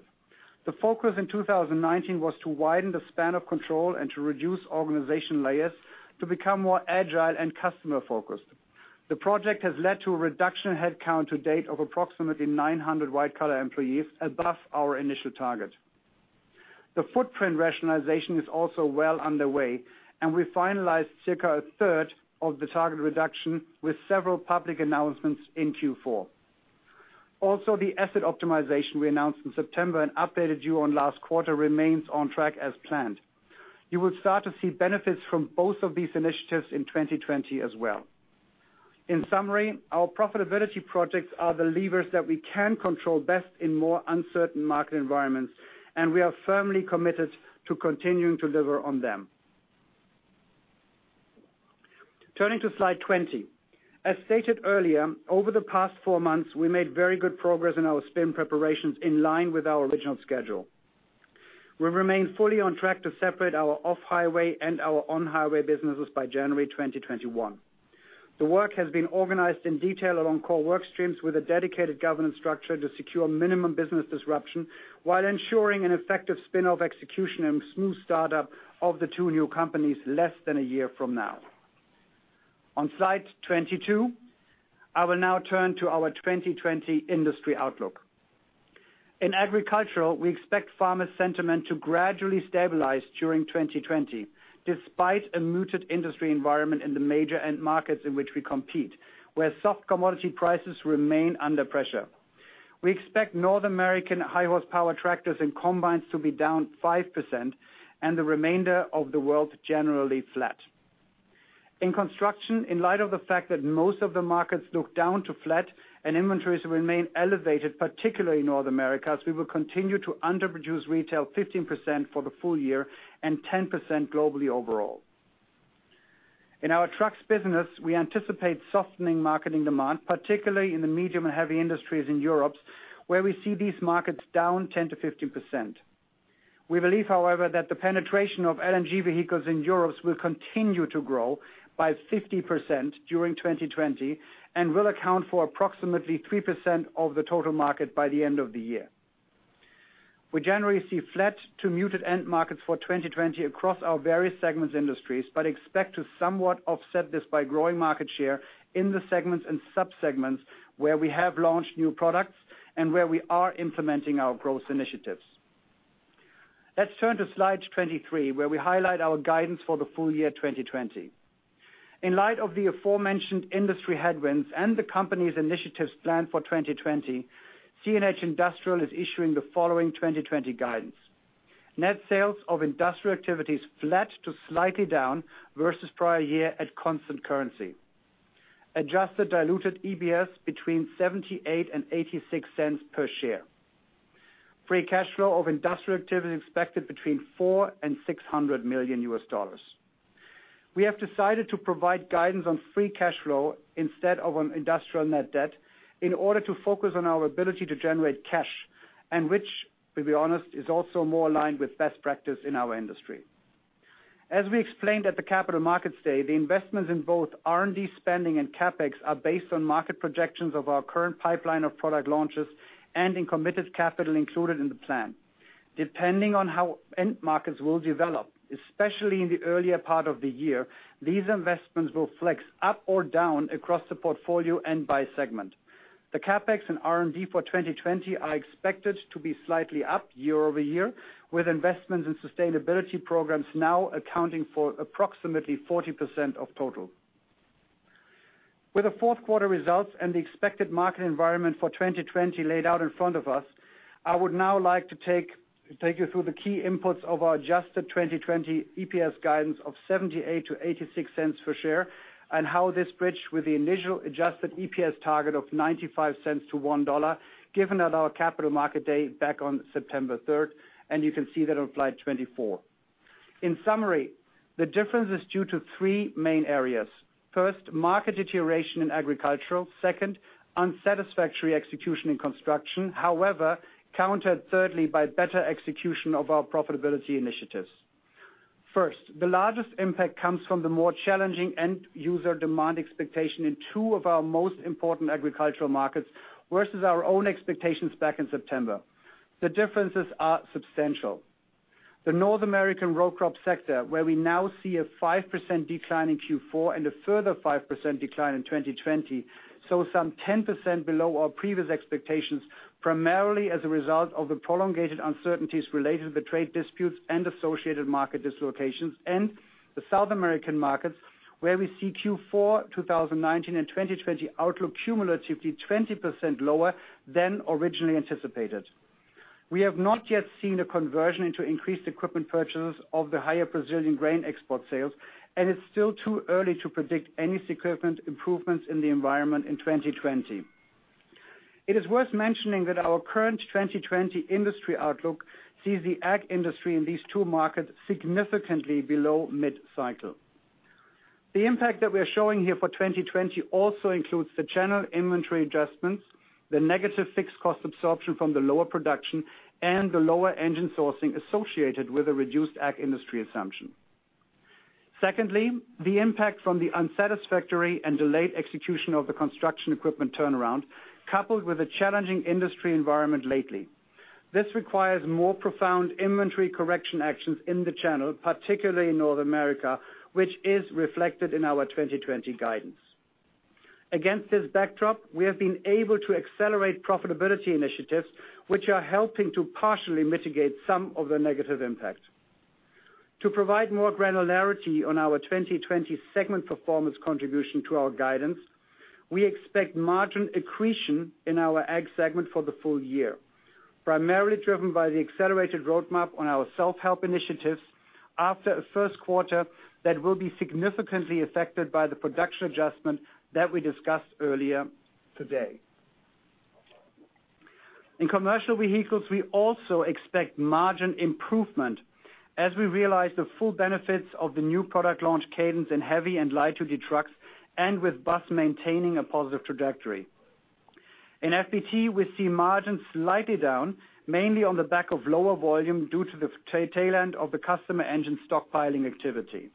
The focus in 2019 was to widen the span of control and to reduce organization layers to become more agile and customer-focused. The project has led to a reduction in headcount to date of approximately 900 white-collar employees above our initial target. The footprint rationalization is also well underway, and we finalized circa a third of the target reduction with several public announcements in Q4. Also, the asset optimization we announced in September and updated you on last quarter remains on track as planned. You will start to see benefits from both of these initiatives in 2020 as well. In summary, our profitability projects are the levers that we can control best in more uncertain market environments, and we are firmly committed to continuing to deliver on them. Turning to slide 20. As stated earlier, over the past four months, we made very good progress in our spin preparations in line with our original schedule. We remain fully on track to separate our off-highway and our on-highway businesses by January 2021. The work has been organized in detail along core work streams with a dedicated governance structure to secure minimum business disruption while ensuring an effective spin-off execution and smooth startup of the two new companies less than a year from now. On slide 22, I will now turn to our 2020 industry outlook. In agricultural, we expect farmer sentiment to gradually stabilize during 2020, despite a muted industry environment in the major end markets in which we compete, where soft commodity prices remain under pressure. We expect North American high horsepower tractors and combines to be down 5%, and the remainder of the world generally flat. In construction, in light of the fact that most of the markets look down to flat and inventories remain elevated, particularly in North America as we will continue to underproduce retail 15% for the full year and 10% globally overall. In our trucks business, we anticipate softening marketing demand, particularly in the medium and heavy industries in Europe, where we see these markets down 10%-15%. We believe, however, that the penetration of LNG vehicles in Europe will continue to grow by 50% during 2020 and will account for approximately 3% of the total market by the end of the year. We generally see flat to muted end markets for 2020 across our various segments industries, but expect to somewhat offset this by growing market share in the segments and sub-segments where we have launched new products and where we are implementing our growth initiatives. Let's turn to slide 23, where we highlight our guidance for the full year 2020. In light of the aforementioned industry headwinds and the company's initiatives planned for 2020, CNH Industrial is issuing the following 2020 guidance. Net sales of industrial activities flat to slightly down versus prior year at constant currency. Adjusted diluted EPS between 0.78 and 0.86 per share. Free cash flow of industrial activity expected between $400 million and $600 million. We have decided to provide guidance on free cash flow instead of on industrial net debt in order to focus on our ability to generate cash, and which, to be honest, is also more aligned with best practice in our industry. As we explained at the Capital Markets Day, the investments in both R&D spending and CapEx are based on market projections of our current pipeline of product launches and in committed capital included in the plan. Depending on how end markets will develop, especially in the earlier part of the year, these investments will flex up or down across the portfolio and by segment. The CapEx and R&D for 2020 are expected to be slightly up year-over-year, with investments in sustainability programs now accounting for approximately 40% of total. With the fourth quarter results and the expected market environment for 2020 laid out in front of us, I would now like to take you through the key inputs of our adjusted 2020 EPS guidance of 0.78 to 0.86 for share and how this bridge with the initial adjusted EPS target of 0.95 to EUR 1.00, given at our capital market date back on September 3rd, and you can see that on slide 24. In summary, the difference is due to three main areas. First, market deterioration in agricultural. Second, unsatisfactory execution in construction. However, countered thirdly by better execution of our profitability initiatives. First, the largest impact comes from the more challenging end-user demand expectation in two of our most important agricultural markets versus our own expectations back in September. The differences are substantial. The North American row crop sector, where we now see a 5% decline in Q4 and a further 5% decline in 2020, so some 10% below our previous expectations, primarily as a result of the prolonged uncertainties related to the trade disputes and associated market dislocations and the South American markets, where we see Q4 2019 and 2020 outlook cumulatively 20% lower than originally anticipated. We have not yet seen a conversion into increased equipment purchases of the higher Brazilian grain export sales and it's still too early to predict any significant improvements in the environment in 2020. It is worth mentioning that our current 2020 industry outlook sees the Ag industry in these two markets significantly below mid-cycle. The impact that we are showing here for 2020 also includes the general inventory adjustments, the negative fixed cost absorption from the lower production, and the lower engine sourcing associated with a reduced Ag industry assumption. Secondly, the impact from the unsatisfactory and delayed execution of the construction equipment turnaround, coupled with a challenging industry environment lately. This requires more profound inventory correction actions in the channel, particularly in North America, which is reflected in our 2020 guidance. Against this backdrop, we have been able to accelerate profitability initiatives, which are helping to partially mitigate some of the negative impact. To provide more granularity on our 2020 segment performance contribution to our guidance, we expect margin accretion in our Ag segment for the full year, primarily driven by the accelerated roadmap on our self-help initiatives after a first quarter that will be significantly affected by the production adjustment that we discussed earlier today. In commercial vehicles, we also expect margin improvement as we realize the full benefits of the new product launch cadence in heavy- and light-duty trucks, and with bus maintaining a positive trajectory. In FPT, we see margins slightly down, mainly on the back of lower volume due to the tail end of the customer engine stockpiling activity.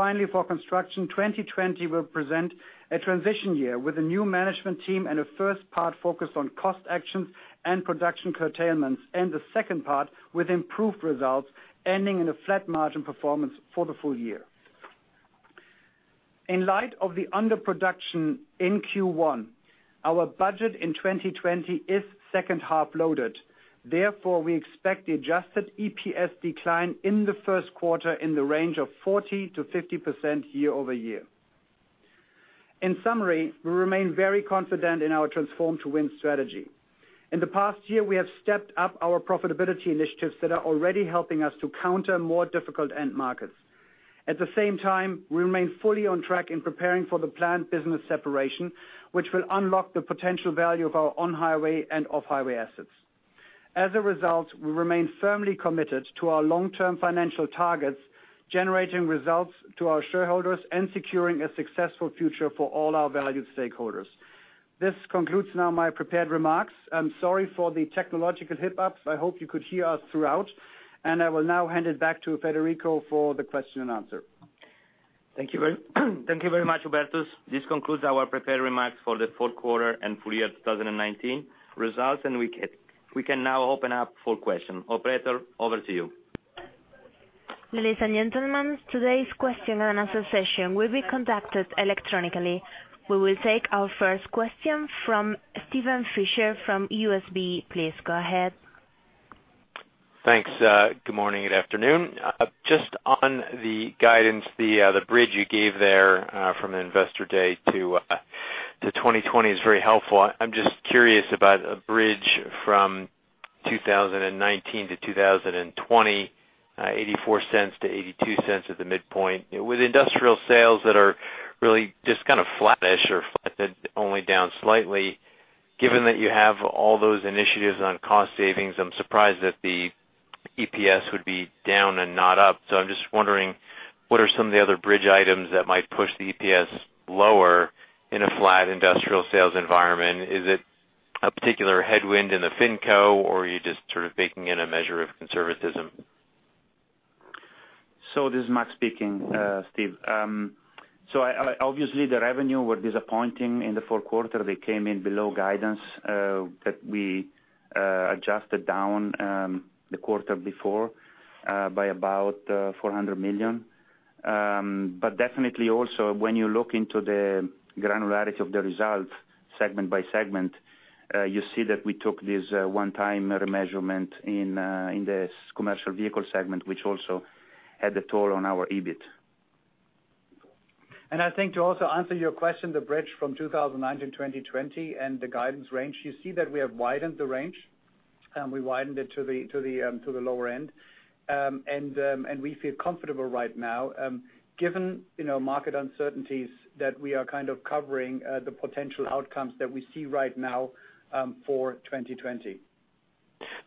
Finally, for construction, 2020 will present a transition year with a new management team and a first part focused on cost actions and production curtailments, and the second part with improved results ending in a flat margin performance for the full year. In light of the underproduction in Q1, our budget in 2020 is second half loaded. Therefore, we expect the Adjusted EPS decline in the first quarter in the range of 40%-50% year-over-year. In summary, we remain very confident in our Transform to Win strategy. In the past year, we have stepped up our profitability initiatives that are already helping us to counter more difficult end markets. At the same time, we remain fully on track in preparing for the planned business separation, which will unlock the potential value of our on-highway and off-highway assets. As a result, we remain firmly committed to our long-term financial targets, generating results to our shareholders and securing a successful future for all our valued stakeholders. This concludes now my prepared remarks. I'm sorry for the technological hiccup. I hope you could hear us throughout, and I will now hand it back to Federico Donati for the question and answer. Thank you very much, Hubertus Mühlhäuser. This concludes our prepared remarks for the fourth quarter and full year 2019 results. We can now open up for question. Operator, over to you. Ladies and gentlemen, today's question and answer session will be conducted electronically. We will take our first question from Steven Fisher from UBS. Please go ahead. Thanks. Good morning. Good afternoon. On the guidance, the bridge you gave there from the investor day to 2020 is very helpful. I'm curious about a bridge from 2019 to 2020, 0.84 to 0.82 at the midpoint. With industrial sales that are really just kind of flattish or only down slightly, given that you have all those initiatives on cost savings, I'm surprised that the EPS would be down and not up. I'm wondering, what are some of the other bridge items that might push the EPS lower in a flat industrial sales environment? Is it a particular headwind in the FinCo or are you just sort of baking in a measure of conservatism? This is Max Chiara speaking, Steven Fisher. Obviously, the revenue were disappointing in the fourth quarter. They came in below guidance that we adjusted down the quarter before by about 400 million. Definitely also, when you look into the granularity of the results segment by segment, you see that we took this one-time remeasurement in the Commercial Vehicle segment, which also had a toll on our EBIT. I think to also answer your question, the bridge from 2019 to 2020 and the guidance range, you see that we have widened the range. We widened it to the lower end. We feel comfortable right now, given market uncertainties, that we are kind of covering the potential outcomes that we see right now for 2020.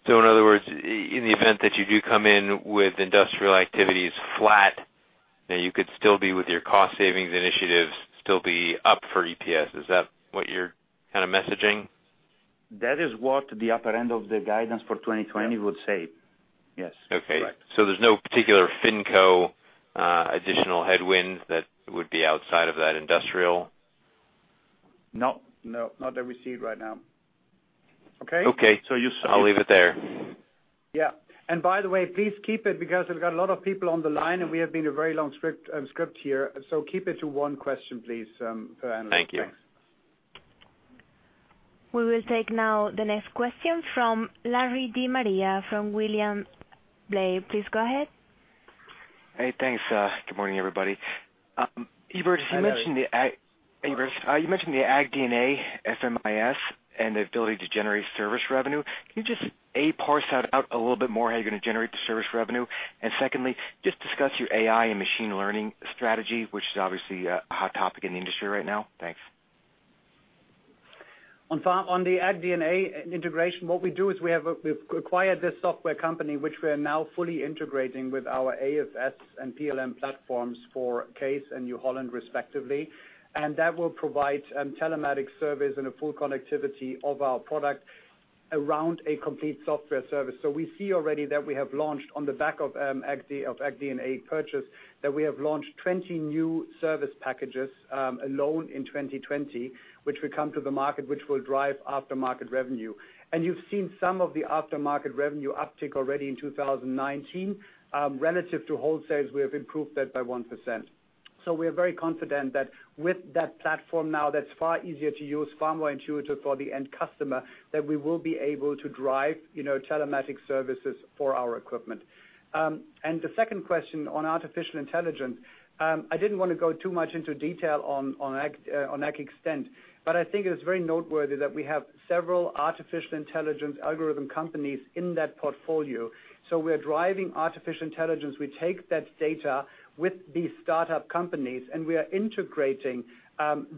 In other words, in the event that you do come in with industrial activities flat, you could still be with your cost savings initiatives, still be up for EPS. Is that what you're kind of messaging? That is what the upper end of the guidance for 2020 would say. Yes. Okay. Correct. There's no particular FinCo additional headwind that would be outside of that industrial? No. No, not that we see right now. Okay? Okay. I'll leave it there. Yeah. By the way, please keep it -- because we've got a lot of people on the line, and we have been a very long script here, so keep it to one question, please, per analyst. Thank you. We will take now the next question from Larry De Maria from William Blair. Please go ahead. Hey, thanks. Good morning, everybody. Hubertus Mühlhäuser, you mentioned the AgDNA FMIS and the ability to generate service revenue. Can you just, A, parse that out a little bit more, how you're going to generate the service revenue? Secondly, just discuss your AI and machine learning strategy, which is obviously a hot topic in the industry right now. Thanks. On the AgDNA integration, what we do is we've acquired this software company, which we are now fully integrating with our AFS and PLM platforms for Case and New Holland, respectively. That will provide telematic service and a full connectivity of our product around a complete software service. We see already that we have launched on the back of AgDNA purchase, that we have launched 20 new service packages alone in 2020, which will come to the market, which will drive aftermarket revenue. You've seen some of the aftermarket revenue uptick already in 2019. Relative to wholesales, we have improved that by 1%. We are very confident that with that platform now that's far easier to use, far more intuitive for the end customer, that we will be able to drive telematics services for our equipment. The second question on artificial intelligence. I didn't want to go too much into detail on AGXTEND, but I think it is very noteworthy that we have several artificial intelligence algorithm companies in that portfolio. We are driving artificial intelligence. We take that data with these startup companies, and we are integrating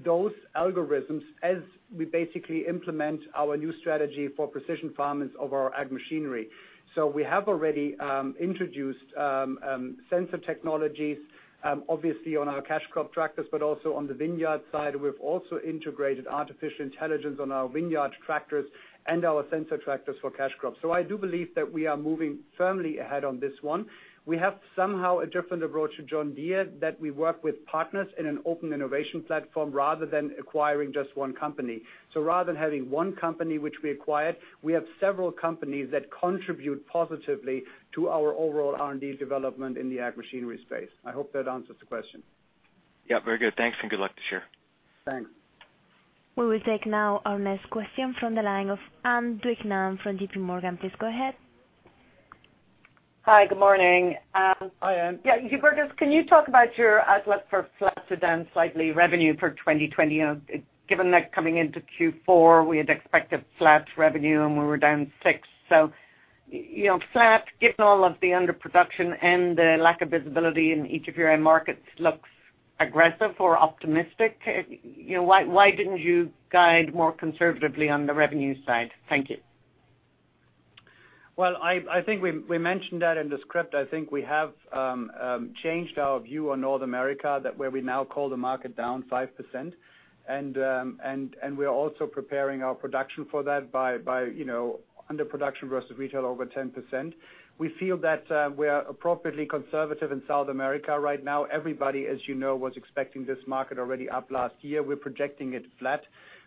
those algorithms as we basically implement our new strategy for precision farmers of our Ag machinery. We have already introduced sensor technologies, obviously on our cash crop tractors, but also on the vineyard side. We've also integrated artificial intelligence on our vineyard tractors and our sensor tractors for cash crops. I do believe that we are moving firmly ahead on this one. We have somehow a different approach to John Deere, that we work with partners in an open innovation platform rather than acquiring just one company. Rather than having one company which we acquired, we have several companies that contribute positively to our overall R&D development in the Ag machinery space. I hope that answers the question. Yeah, very good. Thanks and good luck this year. Thanks. We will take now our next question from the line of Ann Duignan from JPMorgan. Please go ahead. Hi, good morning. Hi, Ann. Yeah. Hubertus Mühlhäuser, can you talk about your outlook for flat to down slightly revenue for 2020? Given that coming into Q4, we had expected flat revenue, we were down six. Flat, given all of the underproduction and the lack of visibility in each of your end markets, looks aggressive or optimistic. Why didn't you guide more conservatively on the revenue side? Thank you. Well, I think we mentioned that in the script. I think we have changed our view on North America, that where we now call the market down 5%. We are also preparing our production for that by underproduction versus retail over 10%. We feel that we are appropriately conservative in South America right now. Everybody, as you know, was expecting this market already up last year. We're projecting it flat.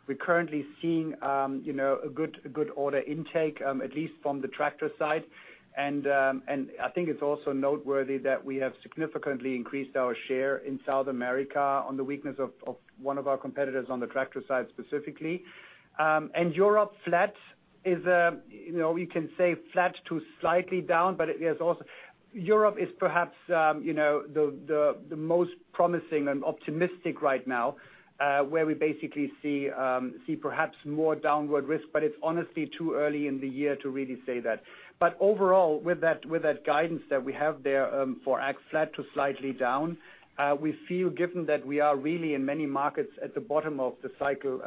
We're currently seeing, you know, a good order intake, at least from the tractor side. I think it's also noteworthy that we have significantly increased our share in South America on the weakness of one of our competitors on the tractor side, specifically. Europe flat is, we can say flat to slightly down, but Europe is perhaps the most promising and optimistic right now, where we basically see perhaps more downward risk, but it's honestly too early in the year to really say that. Overall, with that guidance that we have there for Ag flat to slightly down, we feel, given that we are really in many markets at the bottom of the cycle,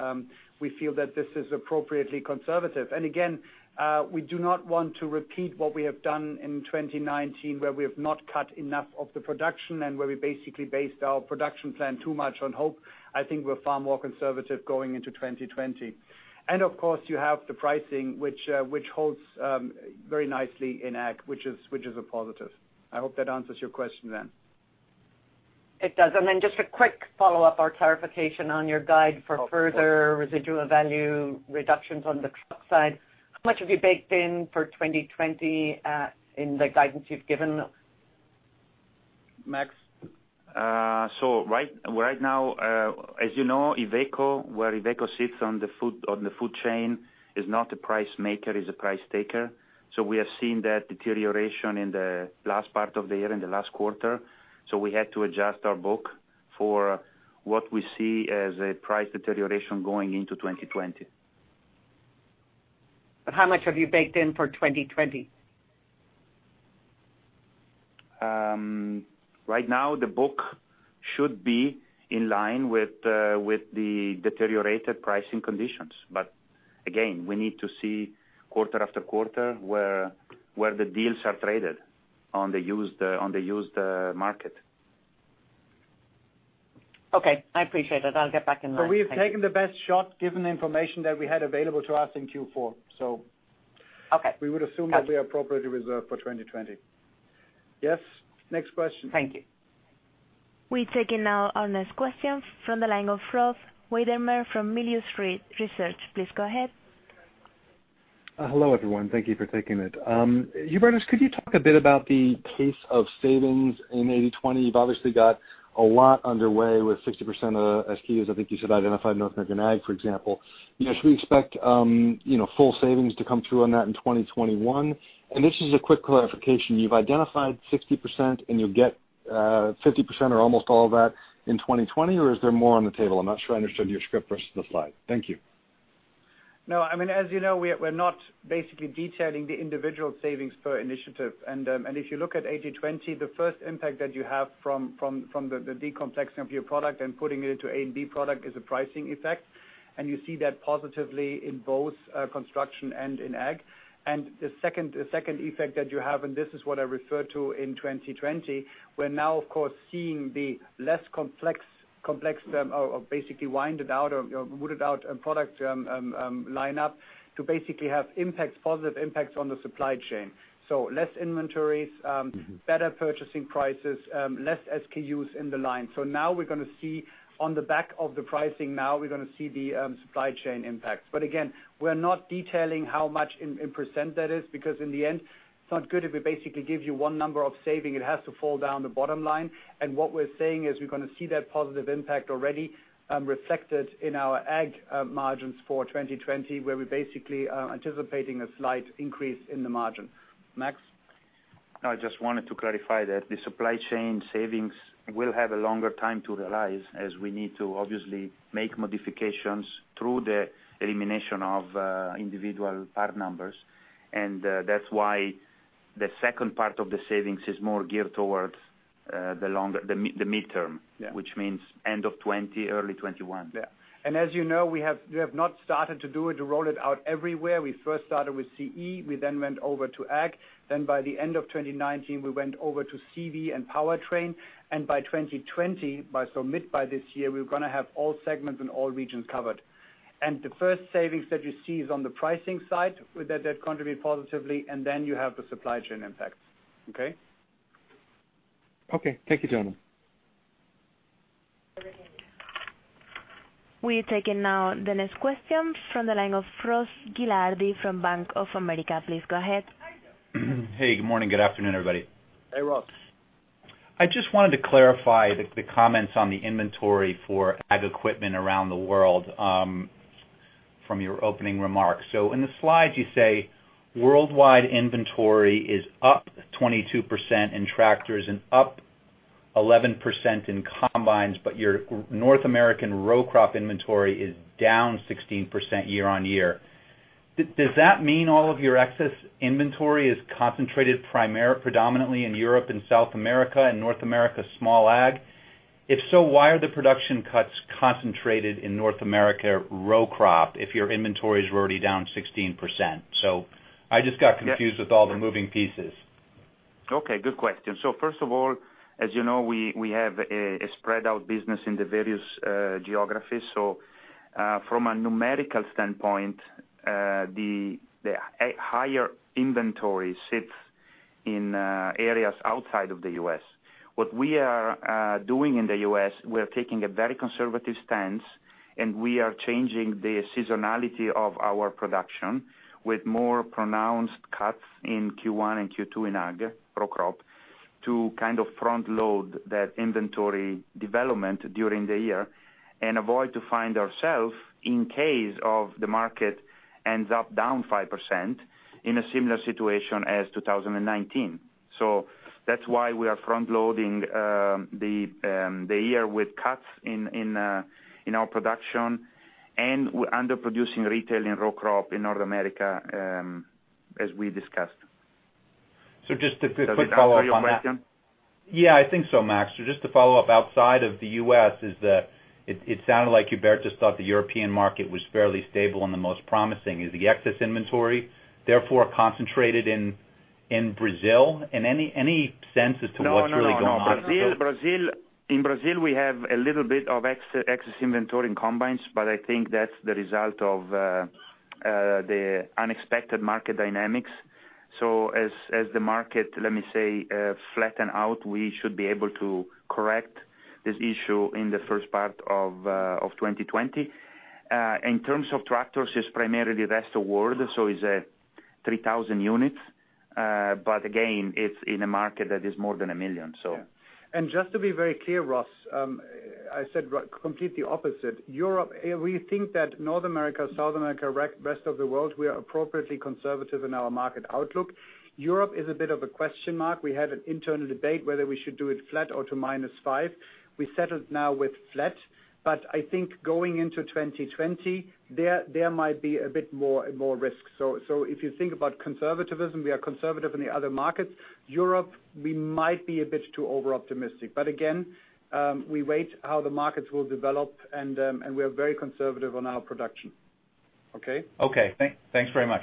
we feel that this is appropriately conservative. Again, we do not want to repeat what we have done in 2019, where we have not cut enough of the production and where we basically based our production plan too much on hope. I think we're far more conservative going into 2020. Of course, you have the pricing, which holds very nicely in Ag, which is a positive. I hope that answers your question, Ann Duignan. It does. Just a quick follow-up or clarification on your guide for further residual value reductions on the truck side. How much have you baked in for 2020 in the guidance you've given? Max Chiara? Right now, as you know, where IVECO sits on the food chain is not a price maker, is a price taker. We have seen that deterioration in the last part of the year, in the last quarter. We had to adjust our book for what we see as a price deterioration going into 2020. How much have you baked in for 2020? Right now, the book should be in line with the deteriorated pricing conditions. Again, we need to see quarter after quarter where the deals are traded on the used market. Okay, I appreciate it. I'll get back in line. Thank you. We have taken the best shot, given the information that we had available to us in Q4. Okay. Got you We would assume that we are appropriately reserved for 2020. Yes. Next question. Thank you. We take in now our next question from the line of Rob Wertheimer from Melius Research. Please go ahead. Hello, everyone. Thank you for taking it. Hubertus Mühlhäuser, could you talk a bit about the pace of savings in 80/20? You've obviously got a lot underway with 60% of SKUs I think you said identified in North American Ag, for example. Should we expect full savings to come through on that in 2021? This is a quick clarification. You've identified 60%, and you'll get 50% or almost all of that in 2020, or is there more on the table? I'm not sure I understood your script versus the slide. Thank you. No, as you know, we're not basically detailing the individual savings per initiative. If you look at 80/20, the first impact that you have from the de-complexing of your product and putting it into A and B product is a pricing effect. You see that positively in both construction and in Ag. The second effect that you have, and this is what I refer to in 2020, we're now, of course, seeing the less complex, or basically winded out or weeded out product line up to basically have positive impacts on the supply chain. Less inventories. better purchasing prices, less SKUs in the line. Now, we're going to see, on the back of the pricing now, we're going to see the supply chain impact. Again, we're not detailing how much in percent that is, because in the end, it's not good if it basically gives you one number of saving. It has to fall down the bottom line. What we're saying is, we're going to see that positive impact already reflected in our Ag margins for 2020, where we're basically anticipating a slight increase in the margin. Max Chiara? I just wanted to clarify that the supply chain savings will have a longer time to realize, as we need to obviously make modifications through the elimination of individual part numbers. That's why the second part of the savings is more geared towards the midterm. Yeah. Which means end of 2020, early 2021. As you know, we have not started to do it, to roll it out everywhere. We first started with CE, we then went over to Ag, then by the end of 2019, we went over to CV and Powertrain. By 2020, so mid by this year, we're going to have all segments and all regions covered. The first savings that you see is on the pricing side, that contribute positively, and then you have the supply chain impact, okay? Okay. Thank you. We're taking now the next question from the line of Ross Gilardi from Bank of America. Please go ahead. Hey, good morning, good afternoon, everybody. Hey, Ross Gilardi. I just wanted to clarify the comments on the inventory for Ag equipment around the world from your opening remarks. In the slides you say worldwide inventory is up 22% in tractors and up 11% in combines, but your North American row crop inventory is down 16% year-on-year. Does that mean all of your excess inventory is concentrated predominantly in Europe and South America and North America small Ag? If so, why are the production cuts concentrated in North America row crop if your inventories were already down 16%? I just got confused with all the moving pieces. Okay, good question. First of all, as you know, we have a spread out business in the various geographies. From a numerical standpoint, the higher inventory sits in areas outside of the U.S. What we are doing in the U.S., we are taking a very conservative stance, and we are changing the seasonality of our production with more pronounced cuts in Q1 and Q2 in Ag, row crop, to kind of front load that inventory development during the year and avoid to find ourself, in case of the market ends up down 5%, in a similar situation as 2019. That's why we are front loading the year with cuts in our production and under-producing retail and row crop in North America, as we discussed. Just to quick follow up on that. Does that answer your question? Yeah, I think so, Max Chiara. Just to follow up, outside of the U.S., it sounded like Hubertus Mühlhäuserthought the European market was fairly stable and the most promising. Is the excess inventory therefore concentrated in Brazil? In any sense as to what's really going on? No. In Brazil, we have a little bit of excess inventory in combines, but I think that's the result of the unexpected market dynamics. As the market, let me say, flatten out, we should be able to correct this issue in the first part of 2020. In terms of tractors, it's primarily rest of world, so it's 3,000 units. Again, it's in a market that is more than a million. Just to be very clear, Ross Gilardi, I said completely opposite. We think that North America, South America, rest of the world, we are appropriately conservative in our market outlook. Europe is a bit of a question mark. We had an internal debate whether we should do it flat or to -5%. We settled now with flat, but I think going into 2020, there might be a bit more risk. If you think about conservativism, we are conservative in the other markets. Europe, we might be a bit too over-optimistic. Again, we wait how the markets will develop, and we are very conservative on our production. Okay? Okay. Thanks very much.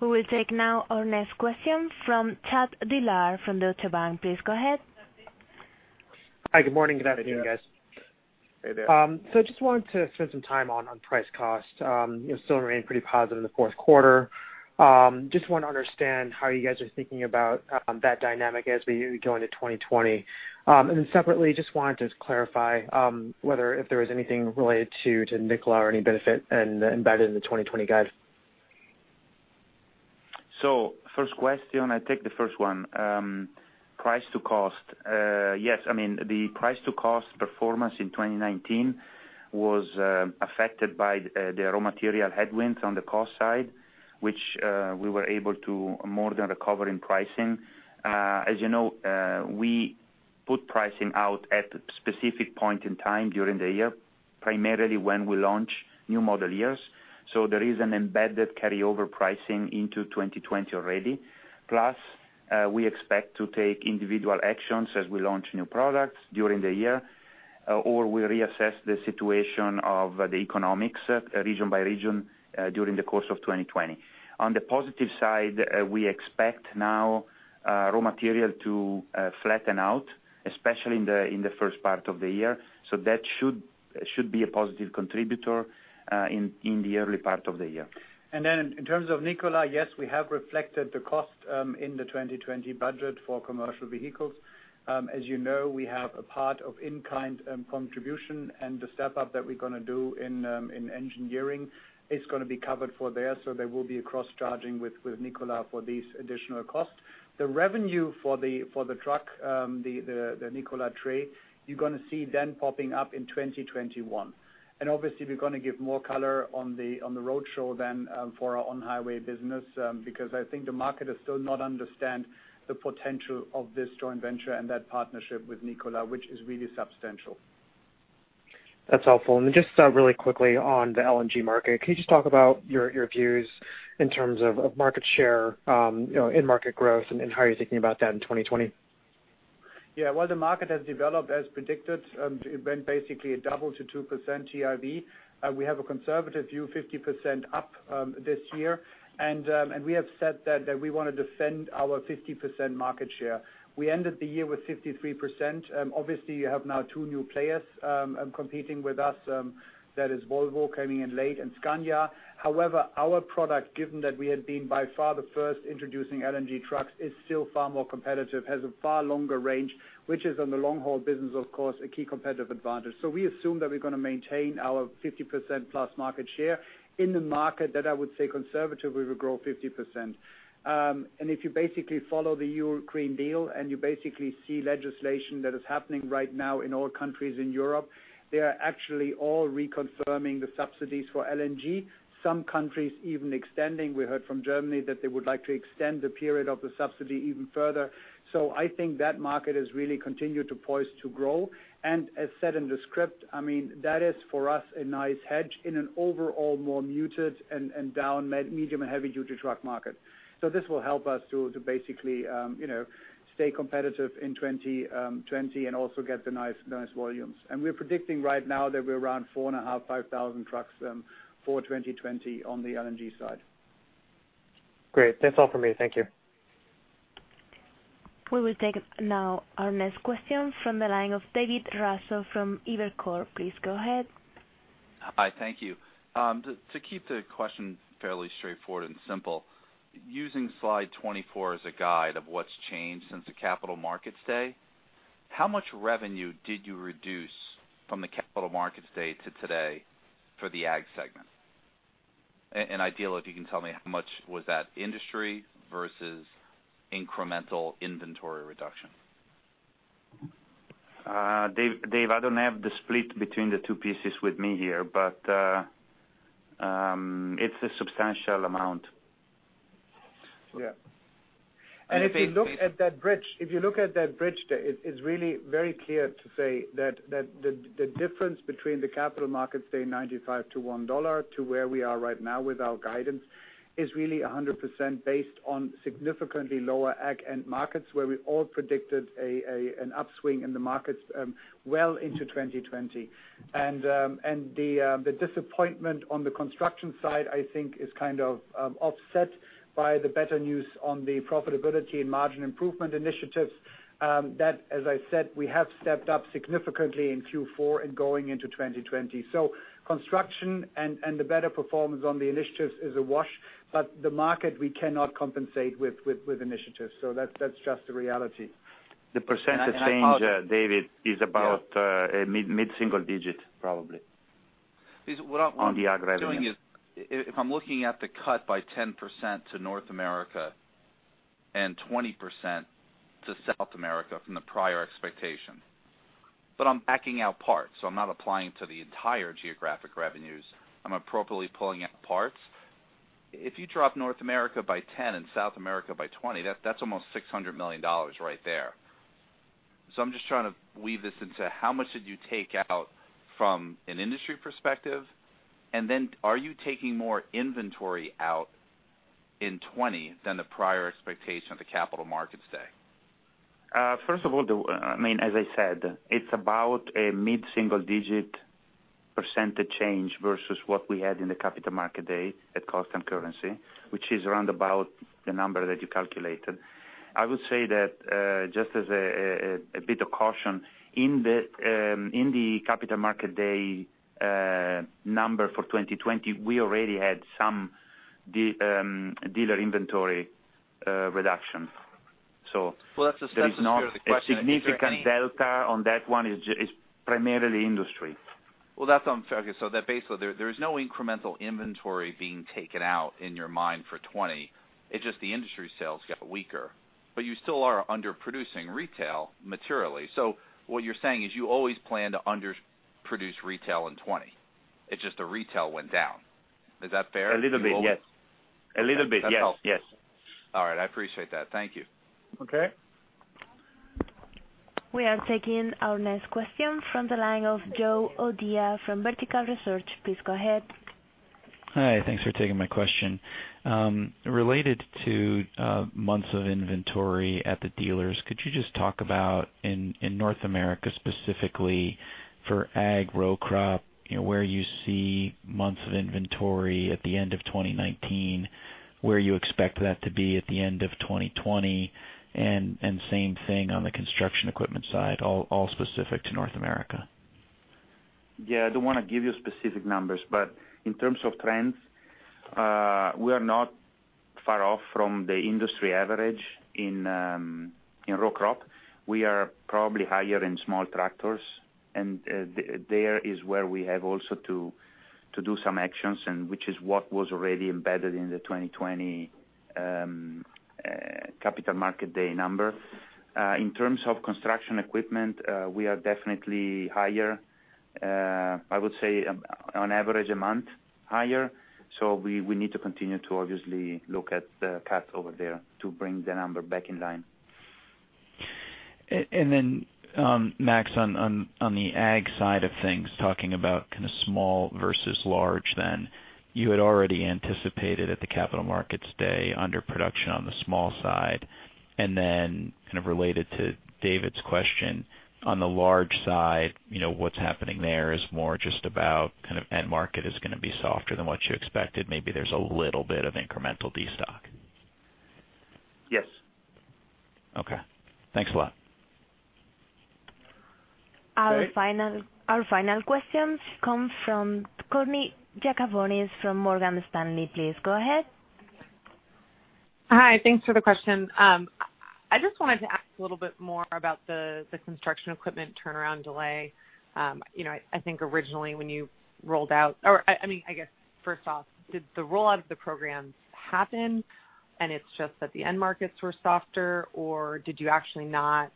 We will take now our next question from Chad Dillard from Deutsche Bank. Please go ahead. Hi, good morning. Good afternoon, guys. Hey there. I just wanted to spend some time on price cost. It still remained pretty positive in the fourth quarter. I just want to understand how you guys are thinking about that dynamic as we go into 2020. Separately, I just wanted to clarify whether if there was anything related to Nikola or any benefit embedded in the 2020 guide. First question, I take the first one. Price to cost. Yes, I mean the price to cost performance in 2019 was affected by the raw material headwinds on the cost side, which we were able to more than recover in pricing. As you know, we put pricing out at specific point in time during the year, primarily when we launch new model years. There is an embedded carryover pricing into 2020 already, plus we expect to take individual actions as we launch new products during the year, or we reassess the situation of the economics region by region during the course of 2020. On the positive side, we expect now raw material to flatten out, especially in the first part of the year. That should be a positive contributor in the early part of the year. Then in terms of Nikola, yes, we have reflected the cost in the 2020 budget for commercial vehicles. As you know, we have a part of in-kind contribution and the step-up that we're going to do in engineering is going to be covered for there. There will be a cross-charging with Nikola for these additional costs. The revenue for the truck, the Nikola Tre, you're going to see then popping up in 2021. Obviously, we're going to give more color on the roadshow then for our on-highway business, because I think the market does still not understand the potential of this joint venture and that partnership with Nikola, which is really substantial. That's helpful. Just really quickly on the LNG market, can you just talk about your views in terms of market share, in-market growth, and how you're thinking about that in 2020? Yeah. Well, the market has developed as predicted. It went basically a double to 2% TIV. We have a conservative view, 50% up this year. We have said that we want to defend our 50% market share. We ended the year with 53%. Obviously, you have now two new players competing with us. That is Volvo coming in late and Scania. However, our product, given that we had been by far the first introducing LNG trucks, is still far more competitive, has a far longer range, which is on the long-haul business, of course, a key competitive advantage. We assume that we're going to maintain our 50% plus market share in the market that I would say conservatively will grow 50%. If you basically follow the European Green Deal, and you basically see legislation that is happening right now in all countries in Europe, they are actually all reconfirming the subsidies for LNG. Some countries even extending. We heard from Germany that they would like to extend the period of the subsidy even further. I think that market has really continued to poise to grow. As said in the script, that is for us a nice hedge in an overall more muted and down medium and heavy-duty truck market. This will help us to basically stay competitive in 2020 and also get the nice volumes. We're predicting right now that we're around 4,500, 5,000 trucks for 2020 on the LNG side. Great. That's all for me. Thank you. We will take now our next question from the line of David Raso from Evercore. Please go ahead. Hi, thank you. To keep the question fairly straightforward and simple, using slide 24 as a guide of what's changed since the Capital Markets Day, how much revenue did you reduce from the Capital Markets Day to today for the Ag segment? Ideal, if you can tell me how much was that industry versus incremental inventory reduction. David Raso, I don't have the split between the two pieces with me here, but it's a substantial amount. Yeah. If you look at that bridge, it's really very clear to say that the difference between the Capital Markets Day, 95 to EUR 1, to where we are right now with our guidance is really 100% based on significantly lower Ag end markets, where we all predicted an upswing in the markets well into 2020. The disappointment on the construction side, I think is kind of offset by the better news on the profitability and margin improvement initiatives. That, as I said, we have stepped up significantly in Q4 and going into 2020. Construction and the better performance on the initiatives is a wash, but the market we cannot compensate with initiatives. That's just the reality. The percentage change, David Raso, is about mid-single digit, probably on the Ag revenue. If I'm looking at the cut by 10% to North America and 20% to South America from the prior expectation, but I'm backing out parts, so I'm not applying to the entire geographic revenues. I'm appropriately pulling out parts. If you drop North America by 10% and South America by 20%, that's almost EUR 600 million right there. I'm just trying to weave this into how much did you take out from an industry perspective, and then are you taking more inventory out in 2020 than the prior expectation of the Capital Markets Day? First of all, I mean as I said, it's about a mid-single digit percent change versus what we had in the Capital Market Day at cost and currency, which is around about the number that you calculated. I would say that, just as a bit of caution, in the Capital Market Day number for 2020, we already had some dealer inventory reduction. It's not Well, that's the spirit of the question. a significant delta on that one, it's primarily industry. Well, that sounds fair. Basically, there is no incremental inventory being taken out in your mind for 2020. It's just the industry sales got weaker. You still are underproducing retail materially. What you're saying is you always plan to underproduce retail in 2020. It's just the retail went down. Is that fair? A little bit, yes. That helps. Yes. All right. I appreciate that. Thank you. Okay. We are taking our next question from the line of Joe O'Dea from Vertical Research Partners. Please go ahead. Hi, thanks for taking my question. Related to months of inventory at the dealers, could you just talk about in North America, specifically for Ag row crop, where you see months of inventory at the end of 2019, where you expect that to be at the end of 2020? Same thing on the construction equipment side, all specific to North America. Yeah, I don't want to give you specific numbers, but in terms of trends, we are not far off from the industry average in row crop. We are probably higher in small tractors, and there is where we have also to do some actions and which is what was already embedded in the 2020 capital market day number. In terms of construction equipment, we are definitely higher. I would say on average a month higher. We need to continue to obviously look at the cut over there to bring the number back in line. Max Chiara, on the Ag side of things, talking about kind of small versus large then, you had already anticipated at the Capital Markets Day under production on the small side. Related to David Raso's question on the large side, what's happening there is more just about kind of end market is going to be softer than what you expected. Maybe there's a little bit of incremental destock. Yes. Okay. Thanks a lot. Our final question comes from Courtney Yakavonis from Morgan Stanley. Please go ahead. Hi, thanks for the question. I just wanted to ask a little bit more about the construction equipment turnaround delay. I think originally when you rolled out, or I guess first off, did the rollout of the programs happen and it's just that the end markets were softer, or did you actually not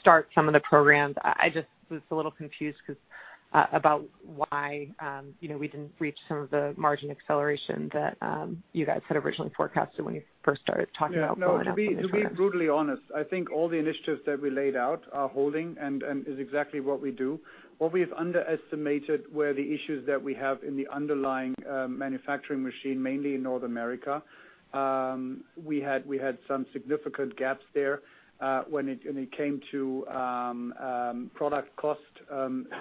start some of the programs? I just was a little confused about why we didn't reach some of the margin acceleration that you guys had originally forecasted when you first started talking about rolling out some of these programs. To be brutally honest, I think all the initiatives that we laid out are holding and is exactly what we do. What we have underestimated were the issues that we have in the underlying manufacturing machine, mainly in North America. We had some significant gaps there when it came to product cost,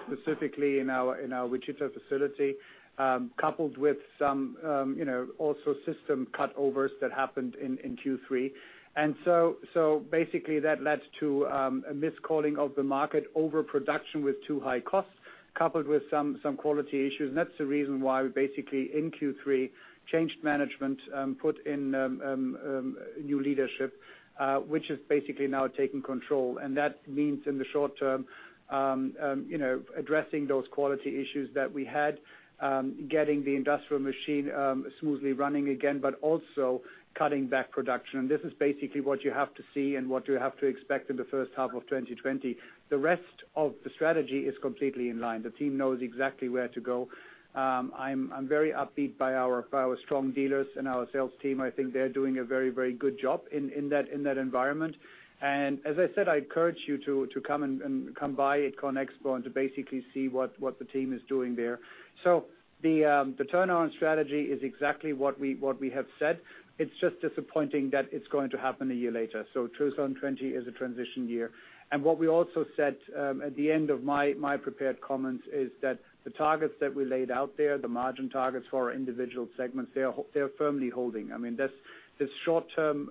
specifically in our Wichita facility, coupled with some also system cutovers that happened in Q3. Basically that led to a miscalling of the market overproduction with too high costs, coupled with some quality issues. That's the reason why we basically in Q3 changed management, put in new leadership, which is basically now taking control. That means in the short term, addressing those quality issues that we had, getting the industrial machine smoothly running again, but also cutting back production. This is basically what you have to see and what you have to expect in the first half of 2020. The rest of the strategy is completely in line. The team knows exactly where to go. I'm very upbeat by our strong dealers and our sales team. I think they're doing a very good job in that environment. As I said, I encourage you to come by at CONEXPO and to basically see what the team is doing there. The turnaround strategy is exactly what we have said. It's just disappointing that it's going to happen a year later, so 2020 is a transition year. What we also said at the end of my prepared comments is that the targets that we laid out there, the margin targets for our individual segments, they are firmly holding. This short-term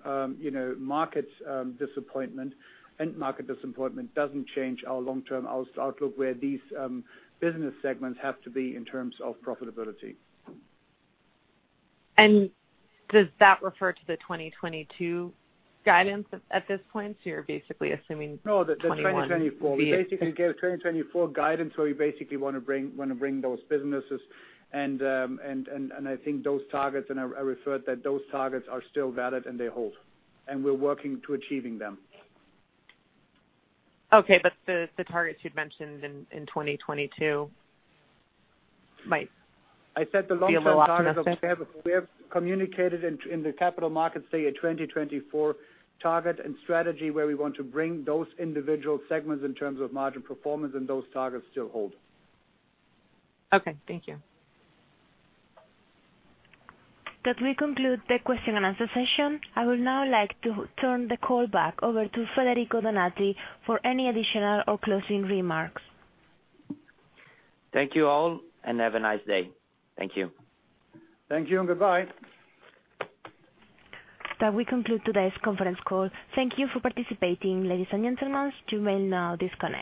market disappointment, end market disappointment, doesn't change our long-term outlook where these business segments have to be in terms of profitability. Does that refer to the 2022 guidance at this point? You're basically assuming 2021. No, the 2024. We basically gave 2024 guidance where we basically want to bring those businesses and I think those targets, and I referred that those targets are still valid and they hold, and we're working to achieving them. Okay, the targets you'd mentioned in 2022 might be a little optimistic? I said the long-term targets, we have communicated in the Capital Markets Day a 2024 target and strategy where we want to bring those individual segments in terms of margin performance, and those targets still hold. Okay, thank you. That will conclude the question and answer session. I would now like to turn the call back over to Federico Donati for any additional or closing remarks. Thank you all, and have a nice day. Thank you. Thank you and goodbye. That we conclude today's conference call. Thank you for participating, ladies and gentlemen. You may now disconnect.